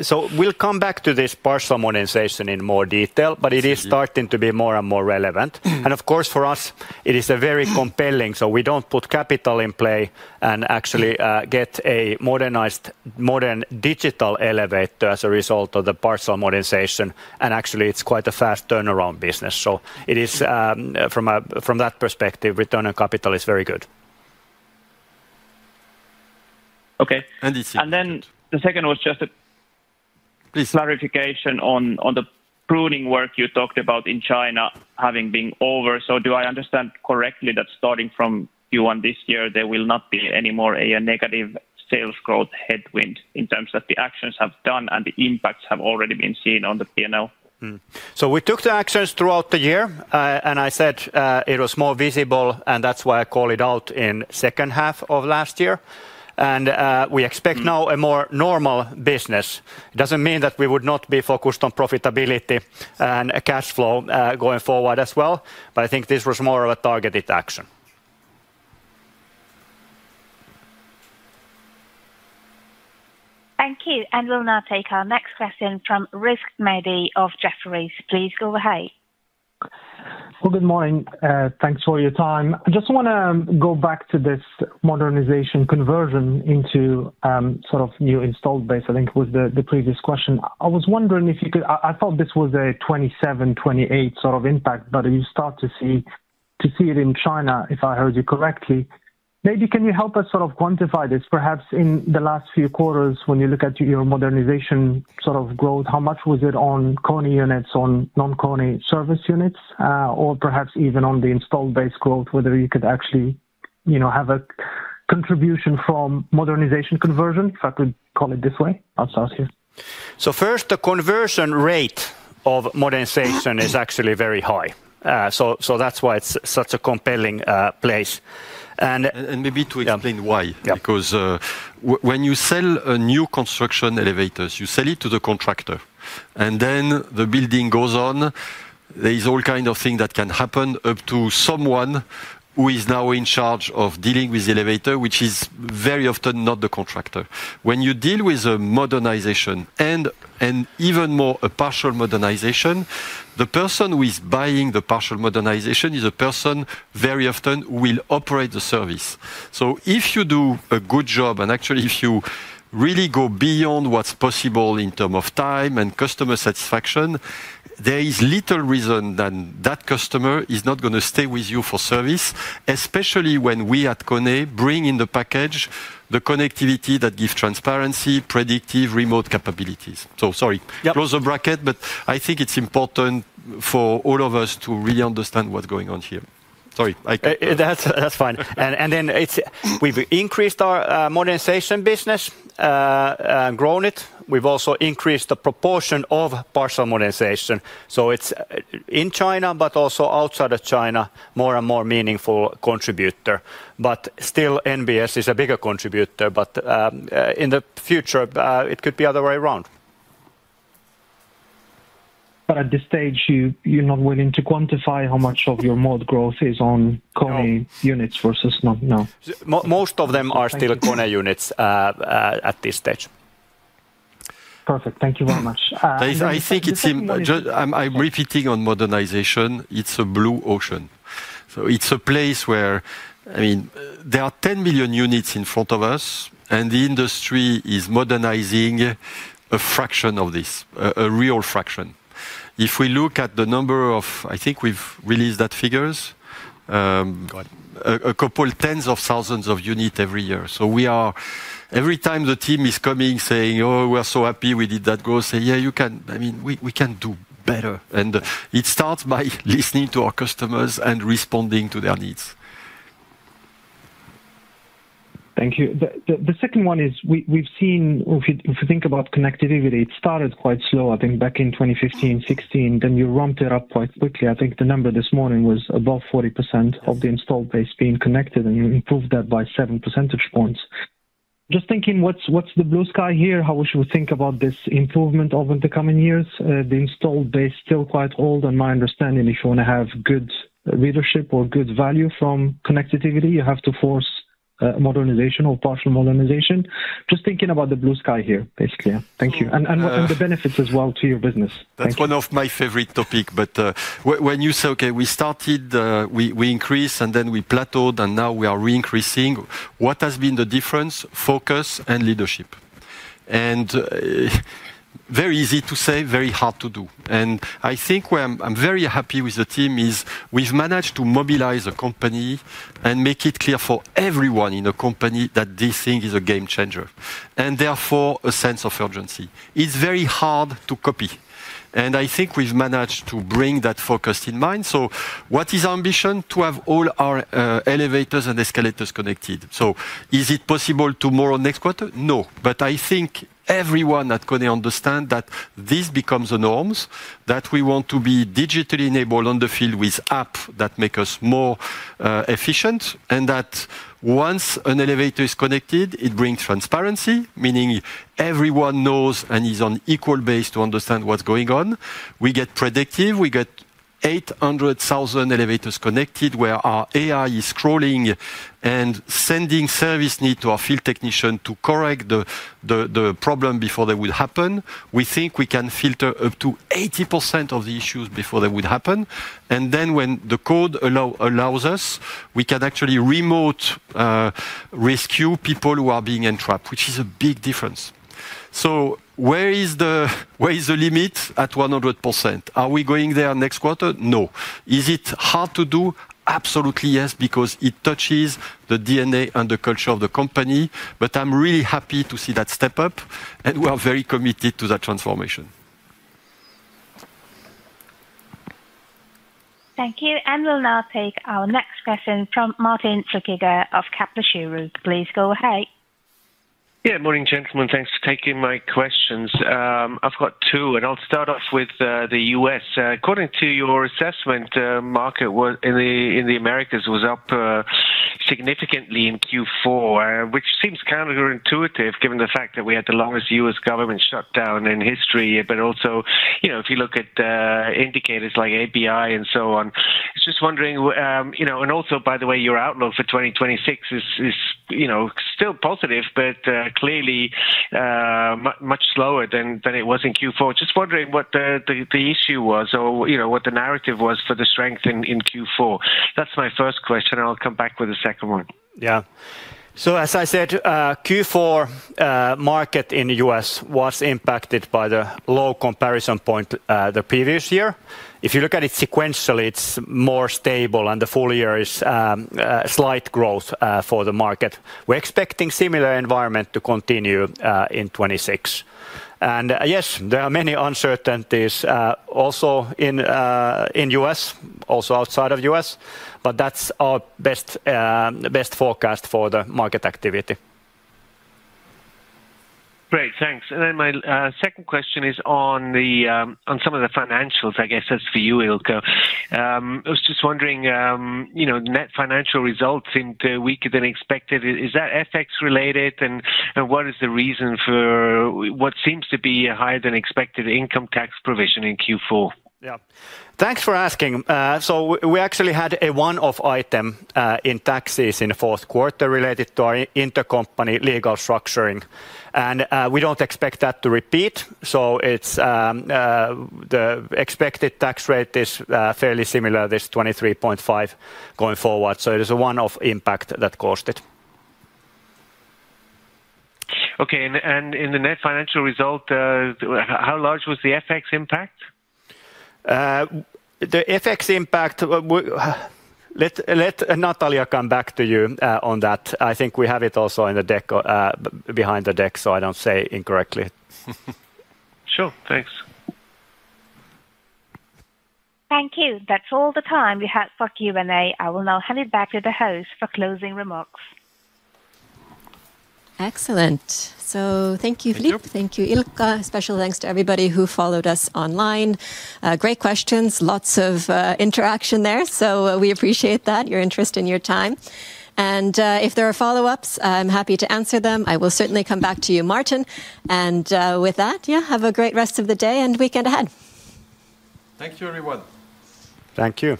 So we'll come back to this partial modernization in more detail, but it is starting to be more and more relevant. And of course, for us, it is a very compelling, so we don't put capital in play and actually, get a modernized, modern digital elevator as a result of the partial modernization. And actually, it's quite a fast turnaround business. So it is, from a, from that perspective, return on capital is very good. Okay. And this here- And then the second was just a- Please clarification on the pruning work you talked about in China having been over. So do I understand correctly that starting from Q1 this year, there will not be any more a negative sales growth headwind in terms of the actions have done and the impacts have already been seen on the P&L? So we took the actions throughout the year, and I said it was more visible, and that's why I call it out in second half of last year. And we expect now a more normal business. It doesn't mean that we would not be focused on profitability and cash flow going forward as well, but I think this was more of a targeted action. Thank you. And we'll now take our next question from Rizk Maidi of Jefferies. Please go ahead. Well, good morning. Thanks for your time. I just wanna go back to this modernization conversion into sort of new installed base, I think, was the previous question. I was wondering if you could, I thought this was a 27, 28 sort of impact, but you start to see it in China, if I heard you correctly. Maybe can you help us sort of quantify this, perhaps in the last few quarters, when you look at your modernization sort of growth, how much was it on KONE units, on non-KONE service units, or perhaps even on the installed base growth, whether you could actually, you know, have a contribution from modernization conversion, if I could call it this way. I'll start here. So first, the conversion rate of modernization is actually very high. So that's why it's such a compelling place. And- And maybe to explain why. Yeah. Because, when you sell a new construction elevators, you sell it to the contractor, and then the building goes on. There is all kind of thing that can happen up to someone who is now in charge of dealing with the elevator, which is very often not the contractor. When you deal with a modernization and even more a partial modernization, the person who is buying the partial modernization is a person very often will operate the service. So if you do a good job, and actually, if you really go beyond what's possible in term of time and customer satisfaction, there is little reason than that customer is not gonna stay with you for service, especially when we at KONE bring in the package, the connectivity that gives transparency, predictive, remote capabilities. So sorry- Yep. Close the bracket, but I think it's important for all of us to really understand what's going on here. Sorry, I- That's fine. And then it's- we've increased our modernization business, grown it. We've also increased the proportion of partial modernization. So it's in China but also outside of China, more and more meaningful contributor. But still, NBS is a bigger contributor, but in the future, it could be other way around. But at this stage, you're not willing to quantify how much of your mod growth is on KONE- No units versus not now? Most of them are still- Thank you KONE units, at this stage. Perfect. Thank you very much, I think it's just I'm repeating on modernization, it's a blue ocean. So it's a place where, I mean, there are 10 million units in front of us, and the industry is modernizing a fraction of this, a real fraction. If we look at the number of—I think we've released those figures. Go ahead. 20,000 units every year. So every time the team is coming saying, "Oh, we are so happy we did that growth," say, "Yeah, you can—I mean, we, we can do better." And it starts by listening to our customers and responding to their needs. Thank you. The second one is we've seen, if you think about connectivity, it started quite slow, I think, back in 2015, 2016, then you ramped it up quite quickly. I think the number this morning was above 40% of the installed base being connected, and you improved that by seven percentage points. Just thinking, what's the blue sky here? How should we think about this improvement over the coming years? The installed base still quite old, and my understanding, if you want to have good leadership or good value from connectivity, you have to force modernization or partial modernization. Just thinking about the blue sky here, basically. Thank you. Well, uh- And the benefits as well to your business. Thank you. That's one of my favorite topic, but when you say, okay, we started, we increased, and then we plateaued, and now we are re increasing. What has been the difference? Focus and leadership. And very easy to say, very hard to do. And I think where I'm very happy with the team is, we've managed to mobilize the company and make it clear for everyone in the company that this thing is a game changer, and therefore, a sense of urgency. It's very hard to copy, and I think we've managed to bring that focus in mind. So what is our ambition? To have all our elevators and escalators connected. So is it possible tomorrow, next quarter? No. But I think everyone at KONE understand that this becomes the norms, that we want to be digitally enabled on the field with app that make us more efficient, and that once an elevator is connected, it brings transparency, meaning everyone knows and is on equal base to understand what's going on. We get predictive, we get 800,000 elevators connected, where our AI is scrolling and sending service need to our field technician to correct the problem before they will happen. We think we can filter up to 80% of the issues before they would happen, and then when the code allows us, we can actually remote rescue people who are being entrapped, which is a big difference. So where is the limit? At 100%. Are we going there next quarter? No. Is it hard to do? Absolutely, yes, because it touches the DNA and the culture of the company, but I'm really happy to see that step up, and we are very committed to that transformation. Thank you. We'll now take our next question from Martin Flueckiger of Kepler Cheuvreux. Please go ahead. Yeah, morning, gentlemen. Thanks for taking my questions. I've got two, and I'll start off with the U.S. According to your assessment, market was in the, in the Americas was up significantly in Q4, which seems counterintuitive, given the fact that we had the longest U.S. government shutdown in history, but also, you know, if you look at indicators like ABI and so on. I was just wondering, you know, and also, by the way, your outlook for 2026 is, is, you know, still positive, but clearly, much slower than it was in Q4. Just wondering what the issue was or, you know, what the narrative was for the strength in Q4. That's my first question, and I'll come back with the second one. Yeah. So as I said, Q4, market in the U.S. was impacted by the low comparison point, the previous year. If you look at it sequentially, it's more stable, and the full year is slight growth for the market. We're expecting similar environment to continue in 2026. And yes, there are many uncertainties, also in the U.S., also outside of U.S., but that's our best best forecast for the market activity. Great, thanks. Then my second question is on some of the financials, I guess that's for you, Ilkka. I was just wondering, you know, net financial results seemed weaker than expected. Is that FX related? And what is the reason for what seems to be a higher than expected income tax provision in Q4? Yeah. Thanks for asking. So we actually had a one-off item in taxes in the fourth quarter related to our intercompany legal structuring, and we don't expect that to repeat. So it's the expected tax rate is fairly similar, this 23.5%, going forward. So it is a one-off impact that caused it. Okay, and in the net financial result, how large was the FX impact? The FX impact, let Natalia come back to you on that. I think we have it also in the deck, behind the deck, so I don't say incorrectly. Sure. Thanks. Thank you. That's all the time we have for Q&A. I will now hand it back to the host for closing remarks. Excellent. So thank you, Philippe. Thank you. Thank you, Ilkka. Special thanks to everybody who followed us online. Great questions, lots of interaction there, so we appreciate that, your interest and your time. And if there are follow-ups, I'm happy to answer them. I will certainly come back to you, Martin. And with that, yeah, have a great rest of the day and weekend ahead. Thank you, everyone. Thank you.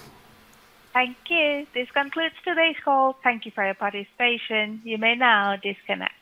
Thank you. This concludes today's call. Thank you for your participation. You may now disconnect.